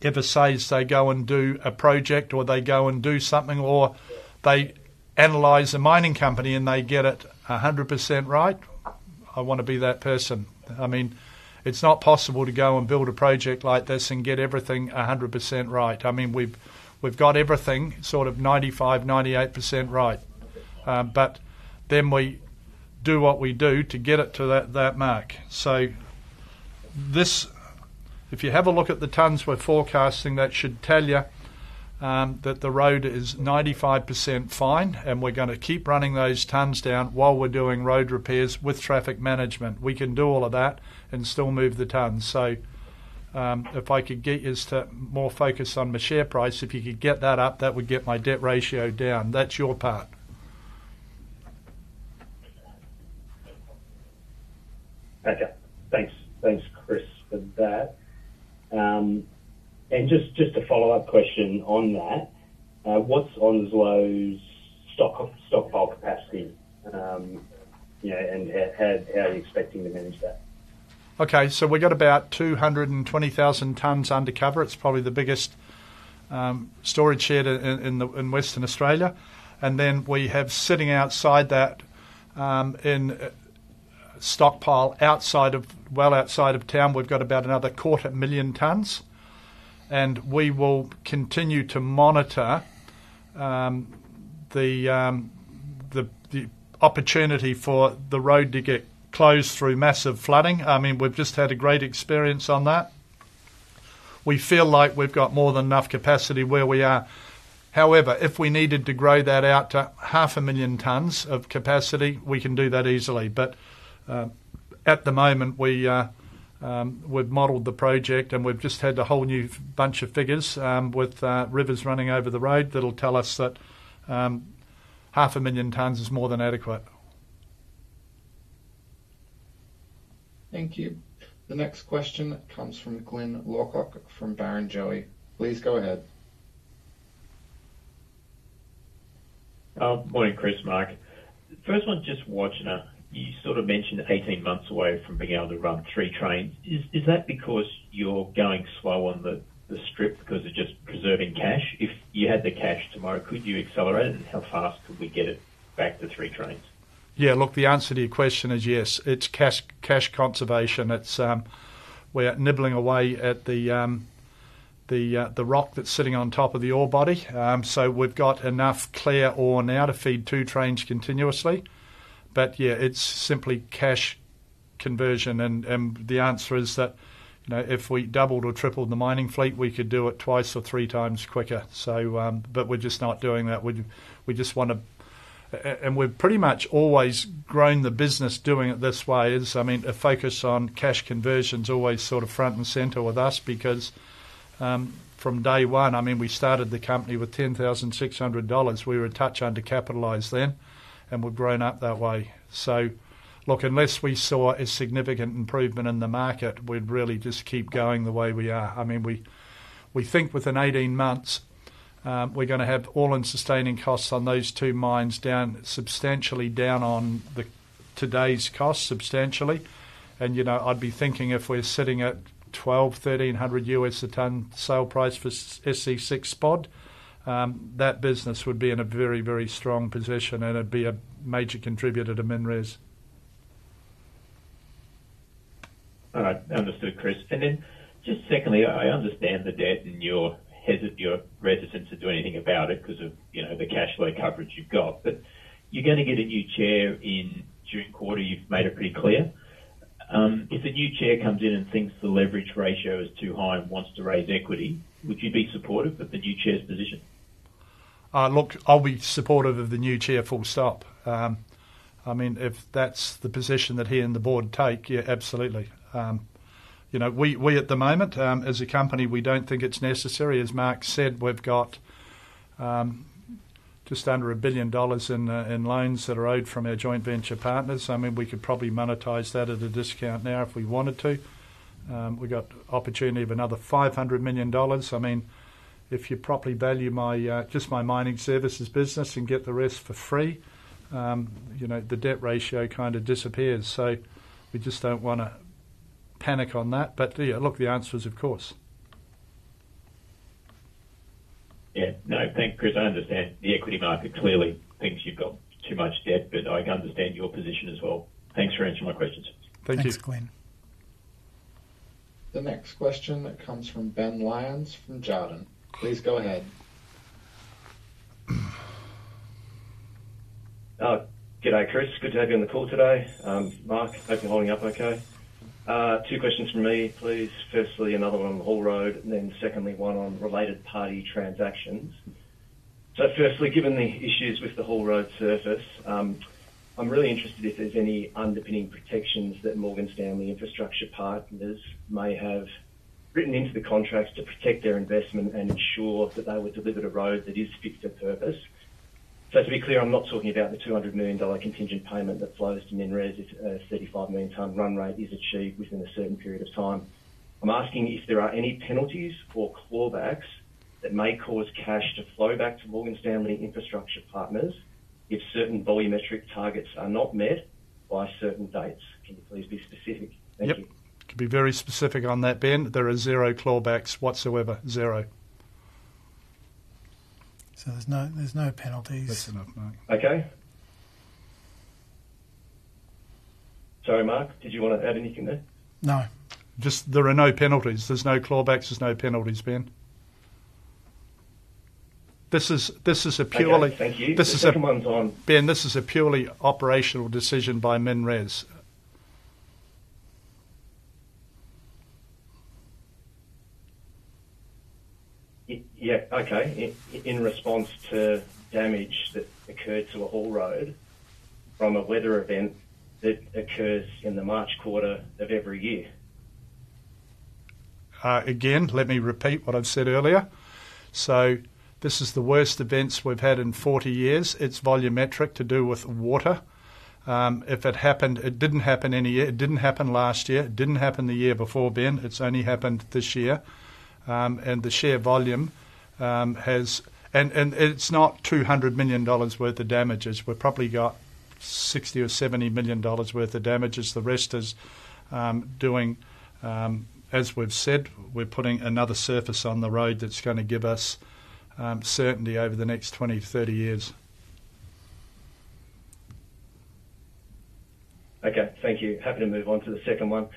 ever says they go and do a project or they go and do something or they analyze a mining company and they get it 100% right, I want to be that person. I mean, it's not possible to go and build a project like this and get everything 100% right. I mean, we've got everything sort of 95%-98% right. But then we do what we do to get it to that mark. So if you have a look at the tonnes we're forecasting, that should tell you that the road is 95% fine and we're going to keep running those tonnes down while we're doing road repairs with traffic management. We can do all of that and still move the tonnes. So if I could get you to more focus on the share price, if you could get that up, that would get my debt ratio down. That's your part. for that. And just a follow-up question on that. What's Onslow's stockpile capacity and how are you expecting to manage that? Okay. So we've got about 220,000 tonnes undercover. It's probably the biggest storage shed in Western Australia. And then we have sitting outside that in stockpile outside of outside of town, we've got about another 250,000 tonnes. And we will continue to monitor the opportunity for the road to get closed through massive flooding. I mean, we've just had a great experience on that. We feel like we've got more than enough capacity where we are. However, if we needed to grow that out to 500,000 tonnes of capacity, we can do that easily. But at the moment, we've modeled the project and we've just had a whole new bunch of figures with rivers running over the road that'll tell us that 500,000 tonnes is more than adequate. Thank you. The next question comes from Glyn Lawcock from Barrenjoey. Please go ahead. Morning, Chris, Mark. First one, just watching it, you sort of mentioned 18 months away from being able to run three trains. Is that because you're going slow on the strip because of just preserving cash? If you had the cash tomorrow, could you accelerate it? Yeah. Look, the answer to your question is yes. It's cash conservation. We're nibbling away at the rock that's sitting on top of the ore body. So we've got enough clear ore now to feed two trains continuously. But yeah, it's simply cash conversion. And the answer is that if we doubled or tripled the mining fleet, we could do it twice or three times quicker. But we're just not doing that. We just want to and we've pretty much always grown the business doing it this way. I mean, a focus on cash conversion is always sort of front and center with us because from day one, I mean, we started the company with 10,600 dollars. We were a touch undercapitalized then, and we've grown up that way. So look, unless we saw a significant improvement in the market, we'd really just keep going the way we are. I mean, we think within 18 months, we're going to have all-in sustaining costs on those two mines substantially down on today's costs substantially. And I'd be thinking if we're sitting at $1,200-$1,300 a tonne sale price for SC6 spod, that business would be in a very, very strong position, and it'd be a major contributor to MinRes. just secondly, I understand the debt and your reticence to do anything about it because of the cash flow coverage you've got. But you're going to get a new chair in June quarter. You've made it pretty clear. If the new chair comes in and thinks the leverage ratio is too high and wants to raise equity, would you be supportive of the new chair's position? Look, I'll be supportive of the new chair full stop. I mean, if that's the position that he and the board take, yeah, absolutely. We at the moment, as a company, we don't think it's necessary. As Mark said, we've got just under 1 billion dollars in loans that are owed from our joint venture partners. I mean, we could probably monetize that at a discount now if we wanted to. We've got the opportunity of another 500 million dollars. I mean, if you properly value just my mining services business and get the rest for free, the debt ratio kind of disappears. So we just don't want to panic on that. But yeah, look, the answer is of course. Yeah. No, thank you, Chris. I understand the equity market clearly thinks you've got too much debt, but I can understand your position as well. Thanks for answering my questions. Thank you. Thanks, Glyn. The next question comes from Ben Lyons from Jarden. Please go ahead. G'day, Chris. Good to have you on the call today. Mark, hope you're holding up okay. Two questions from me, please. Firstly, another one on the haul road, and then secondly, one on related party transactions. So firstly, given the issues with the haul road surface, I'm really interested if there's any underpinning protections that Morgan Stanley Infrastructure Partners may have written into the contracts to protect their investment and ensure that they would deliver the road that is fit for purpose. So to be clear, I'm not talking about the 200 million dollar contingent payment that flows to MinRes if a 35 million tonne run rate is achieved within a certain period of time. I'm asking if there are any penalties or clawbacks that may cause cash to flow back to Morgan Stanley Infrastructure Partners if certain volumetric targets are not met by certain dates. Can you please be specific? Thank you. Yeah. To be very specific on that, Ben, there are zero clawbacks whatsoever. Zero. So there's no penalties. That's enough, Mark. Okay. Sorry, Mark. Did you want to add anything there? No. There are no penalties. There's no clawbacks. There's no penalties, Ben. This is a purely. Thank you. This is a. Ben, this is a purely operational decision by MinRes. Yeah. Okay. In response to damage that occurred to a haul road from a weather event that occurs in the March quarter of every year. Again, let me repeat what I've said earlier. So this is the worst events we've had in 40 years. It's volumetric to do with water. If it happened, it didn't happen any year, it didn't happen last year. It didn't happen the year before, Ben. It's only happened this year. And the share volume has, and it's not 200 million dollars worth of damages. We've probably got 60 million or 70 million dollars worth of damages. The rest is doing, as we've said, we're putting another surface on the road that's going to give us certainty over the next 20, 30 years. Okay. Thank you. Happy to move on to the second one.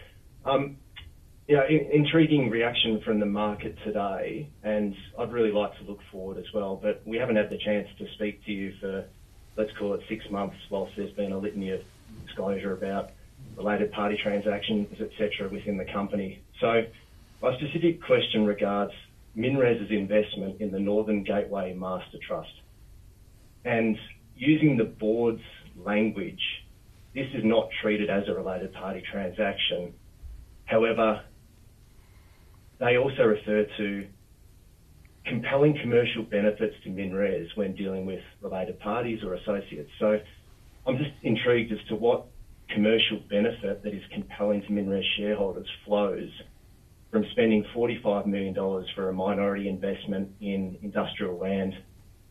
Intriguing reaction from the market today. And I'd really like to look forward as well. But we haven't had the chance to speak to you for, let's call it, six months while there's been a litany of disclosure about related party transactions, etc., within the company. So my specific question regards MinRes's investment in the Northern Gateway Master Trust. Using the board's language, this is not treated as a related party transaction. However, they also refer to compelling commercial benefits to MinRes when dealing with related parties or associates. So I'm just intrigued as to what commercial benefit that is compelling to MinRes shareholders flows from spending 45 million dollars for a minority investment in industrial land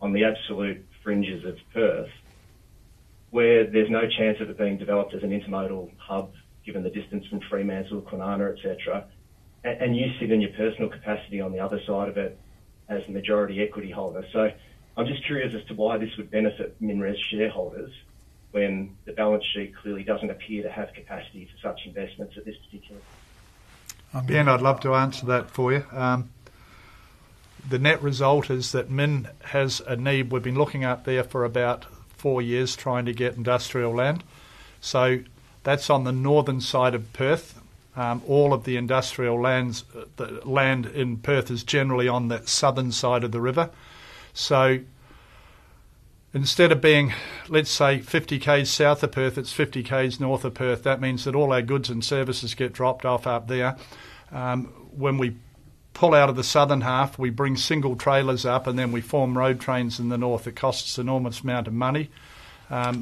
on the absolute fringes of Perth, where there's no chance of it being developed as an intermodal hub given the distance from Fremantle or Kwinana, etc., and you sit in your personal capacity on the other side of it as a majority equity holder. So I'm just curious as to why this would benefit MinRes shareholders when the balance sheet clearly doesn't appear to have capacity. Ben, I'd love to answer that for you. The net result is that MinRes has a need we've been looking at there for about four years trying to get industrial land. So that's on the northern side of Perth. All of the industrial land in Perth is generally on the southern side of the river. So instead of being, let's say, 50 km south of Perth, it's 50 km north of Perth. That means that all our goods and services get dropped off up there. When we pull out of the southern half, we bring single trailers up, and then we form road trains in the north. It costs an enormous amount of money.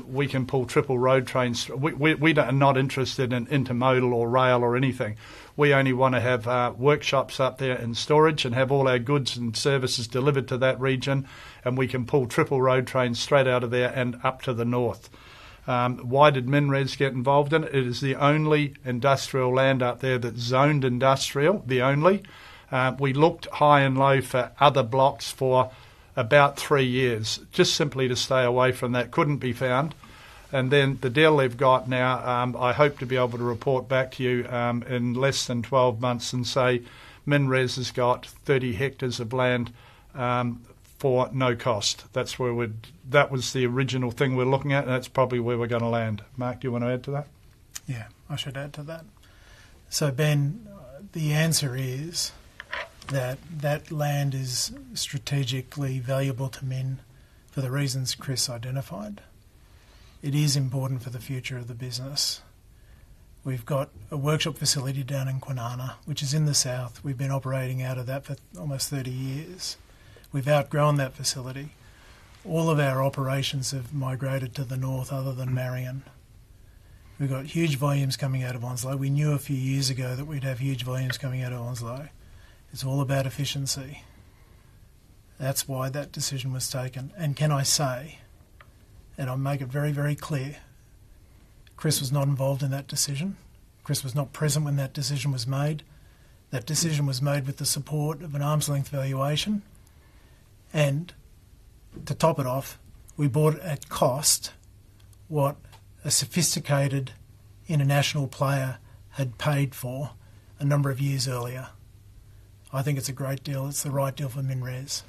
We can pull triple road trains. We are not interested in intermodal or rail or anything. We only want to have workshops up there in storage and have all our goods and services delivered to that region. And we can pull triple road trains straight out of there and up to the north. Why did MinRes get involved in it? It is the only industrial land out there that's zoned industrial, the only. We looked high and low for other blocks for about three years, just simply to stay away from that. Couldn't be found. And then the deal they've got now, I hope to be able to report back to you in less than 12 months and say MinRes has got 30 hectares of land for no cost. That was the original thing we're looking at, and that's probably where we're going to land. Mark, do you want to add to that? Yeah. I should add to that. So Ben, the answer is that that land is strategically valuable to MinRes for the reasons Chris identified. It is important for the future of the business. We've got a workshop facility down in Kwinana, which is in the south. We've been operating out of that for almost 30 years. We've outgrown that facility. All of our operations have migrated to the north other than Marion. We've got huge volumes coming out of Onslow. We knew a few years ago that we'd have huge volumes coming out of Onslow. It's all about efficiency. That's why that decision was taken, and can I say, and I'll make it very, very clear, Chris was not involved in that decision. Chris was not present when that decision was made. That decision was made with the support of an arm's length valuation, and to top it off, we bought at cost what a sophisticated international player had paid for a number of years earlier. I think it's a great deal. It's the right deal for MinRes.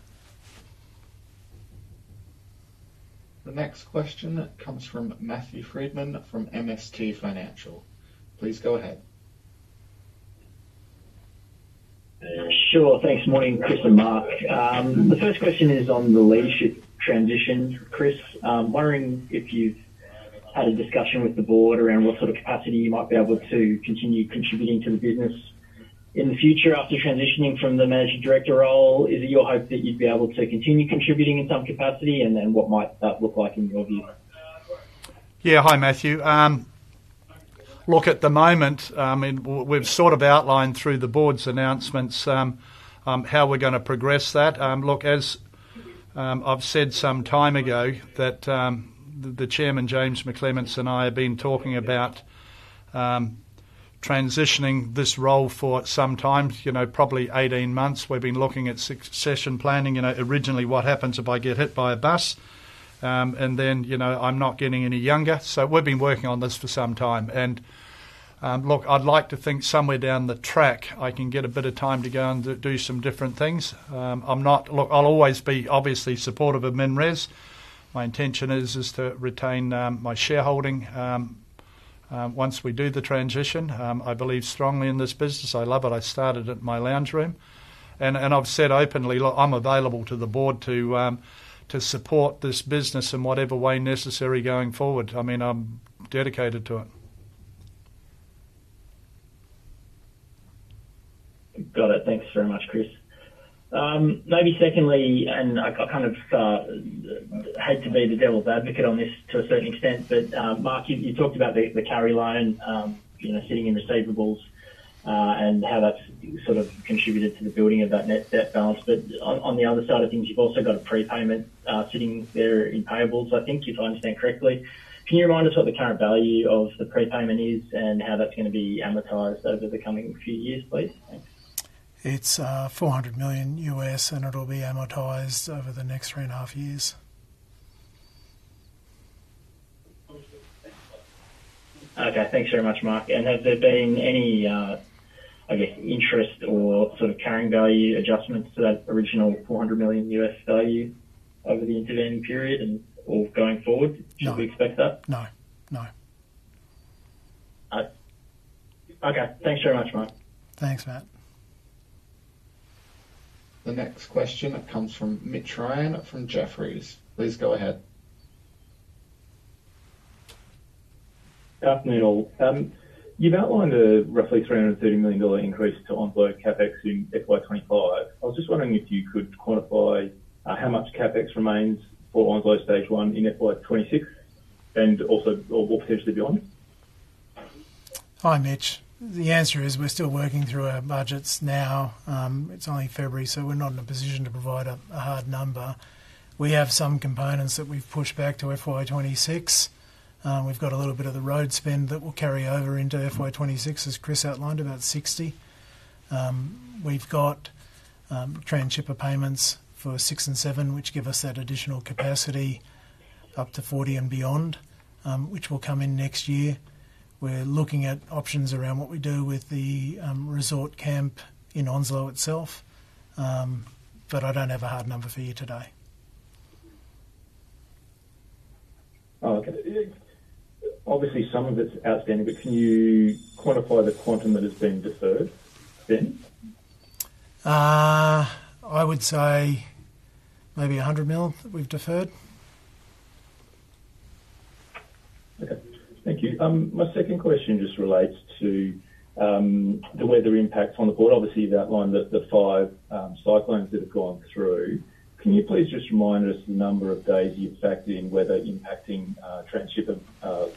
The next question comes from Matthew Frydman from MST Financial. Please go ahead. Sure. Thanks morning, Chris and Mark. The first question is on the leadership transition, Chris. I'm wondering if you've had a discussion with the board around what sort of capacity you might be able to continue contributing to the business in the future after transitioning from the managing director role. Is it your hope that you'd be able to continue contributing in some capacity? And then what might that look like in your view? Yeah. Hi, Matthew. Look, at the moment, I mean, we've sort of outlined through the board's announcements how we're going to progress that. Look, as I've said some time ago, that the Chairman, James McClements, and I have been talking about transitioning this role for some time, probably 18 months. We've been looking at succession planning. Originally, what happens if I get hit by a bus? And then I'm not getting any younger. So we've been working on this for some time. And look, I'd like to think somewhere down the track I can get a bit of time to go and do some different things. Look, I'll always be obviously supportive of MinRes. My intention is to retain my shareholding once we do the transition. I believe strongly in this business. I love it. I started it in my lounge room. And I've said openly, look, I'm available to the board to support this business in whatever way necessary going forward. I mean, I'm dedicated to it. Got it. Thanks very much, Chris. Maybe secondly, and I kind of had to be the devil's advocate on this to a certain extent, but Mark, you talked about the carry loan sitting in receivables and how that's sort of contributed to the building of that net balance. But on the other side of things, you've also got a prepayment sitting there in payables, I think, if I understand correctly. Can you remind us what the current value of the prepayment is and how that's going to be amo. It's $400 million, and it'll be amortized over the next three and a half years. Okay. Thanks very much, Mark. And has there been any, I guess, interest or sort of carrying value adjustments to that original $400 million value over the intervening period or going forward? Should we expect that? No. No. No. Okay. Thanks very much, Mark. Thanks, Matt. The next question comes from Mitch Ryan from Jefferies. Please go ahead. Good afternoon. You've outlined a roughly 330 million dollar increase to Onslow CapEx FY '25. I was just wondering if you could quantify how much CapEx remains for Onslow Stage 1 in FY '26 and also or potentially beyond? Hi, Mitch. The answer is we're still working through our budgets now. It's only February, so we're not in a position to provide a hard number. We have some components that we've pushed back to FY '26. We've got a little bit of the road spend that will carry over into FY '26, as Chris outlined, about 60. We've got transhipper payments for 6 and 7, which give us that additional capacity up to 40 and beyond, which will come in next year. We're looking at options around what we do with the resort camp in Onslow itself. But I don't have a hard number for you today. Okay. Obviously, some of it's outstanding, but can you quantify the quantum? I would say maybe 100 million that we've deferred. Okay. Thank you. My second question just relates to the weather impacts on the port. Obviously, you've outlined the five cyclones that have gone through. Can you please just remind us the number of days you've factored in weather impacting transhipping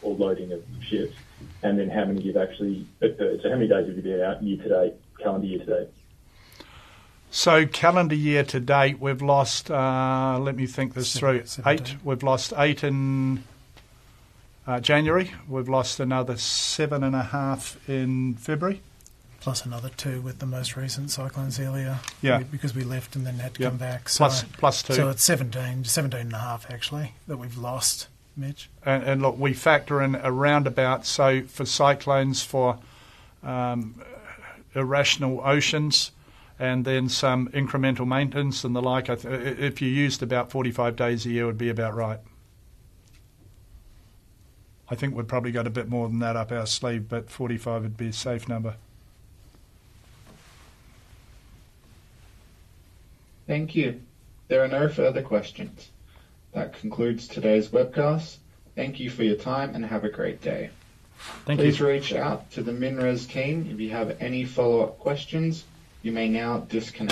or loading of ships and then how many you've actually deferred? So how many days have you been out year-to-date, calendar year-to-date? So calendar year-to-date, we've lost, let me think this through, eight. We've lost eight in January. We've lost another seven and a half in February. Plus another two with the most recent cyclones earlier because we left and then had to come back. So it's 17, 17 and a half actually that we've lost, Mitch. And look, we factor in around about. So for cyclones, for Port of Onslow and then some incremental maintenance and the like, if you used about 45 days a year, it would be about right. I think we've probably got a bit more than that up our sleeve, but 45 would be a safe number. Thank you. There are no further questions. That concludes today's webcast. Thank you for your time and have a great day. Thank you. Please reach out to the MinRes team if you have any follow-up questions. You may now disconnect.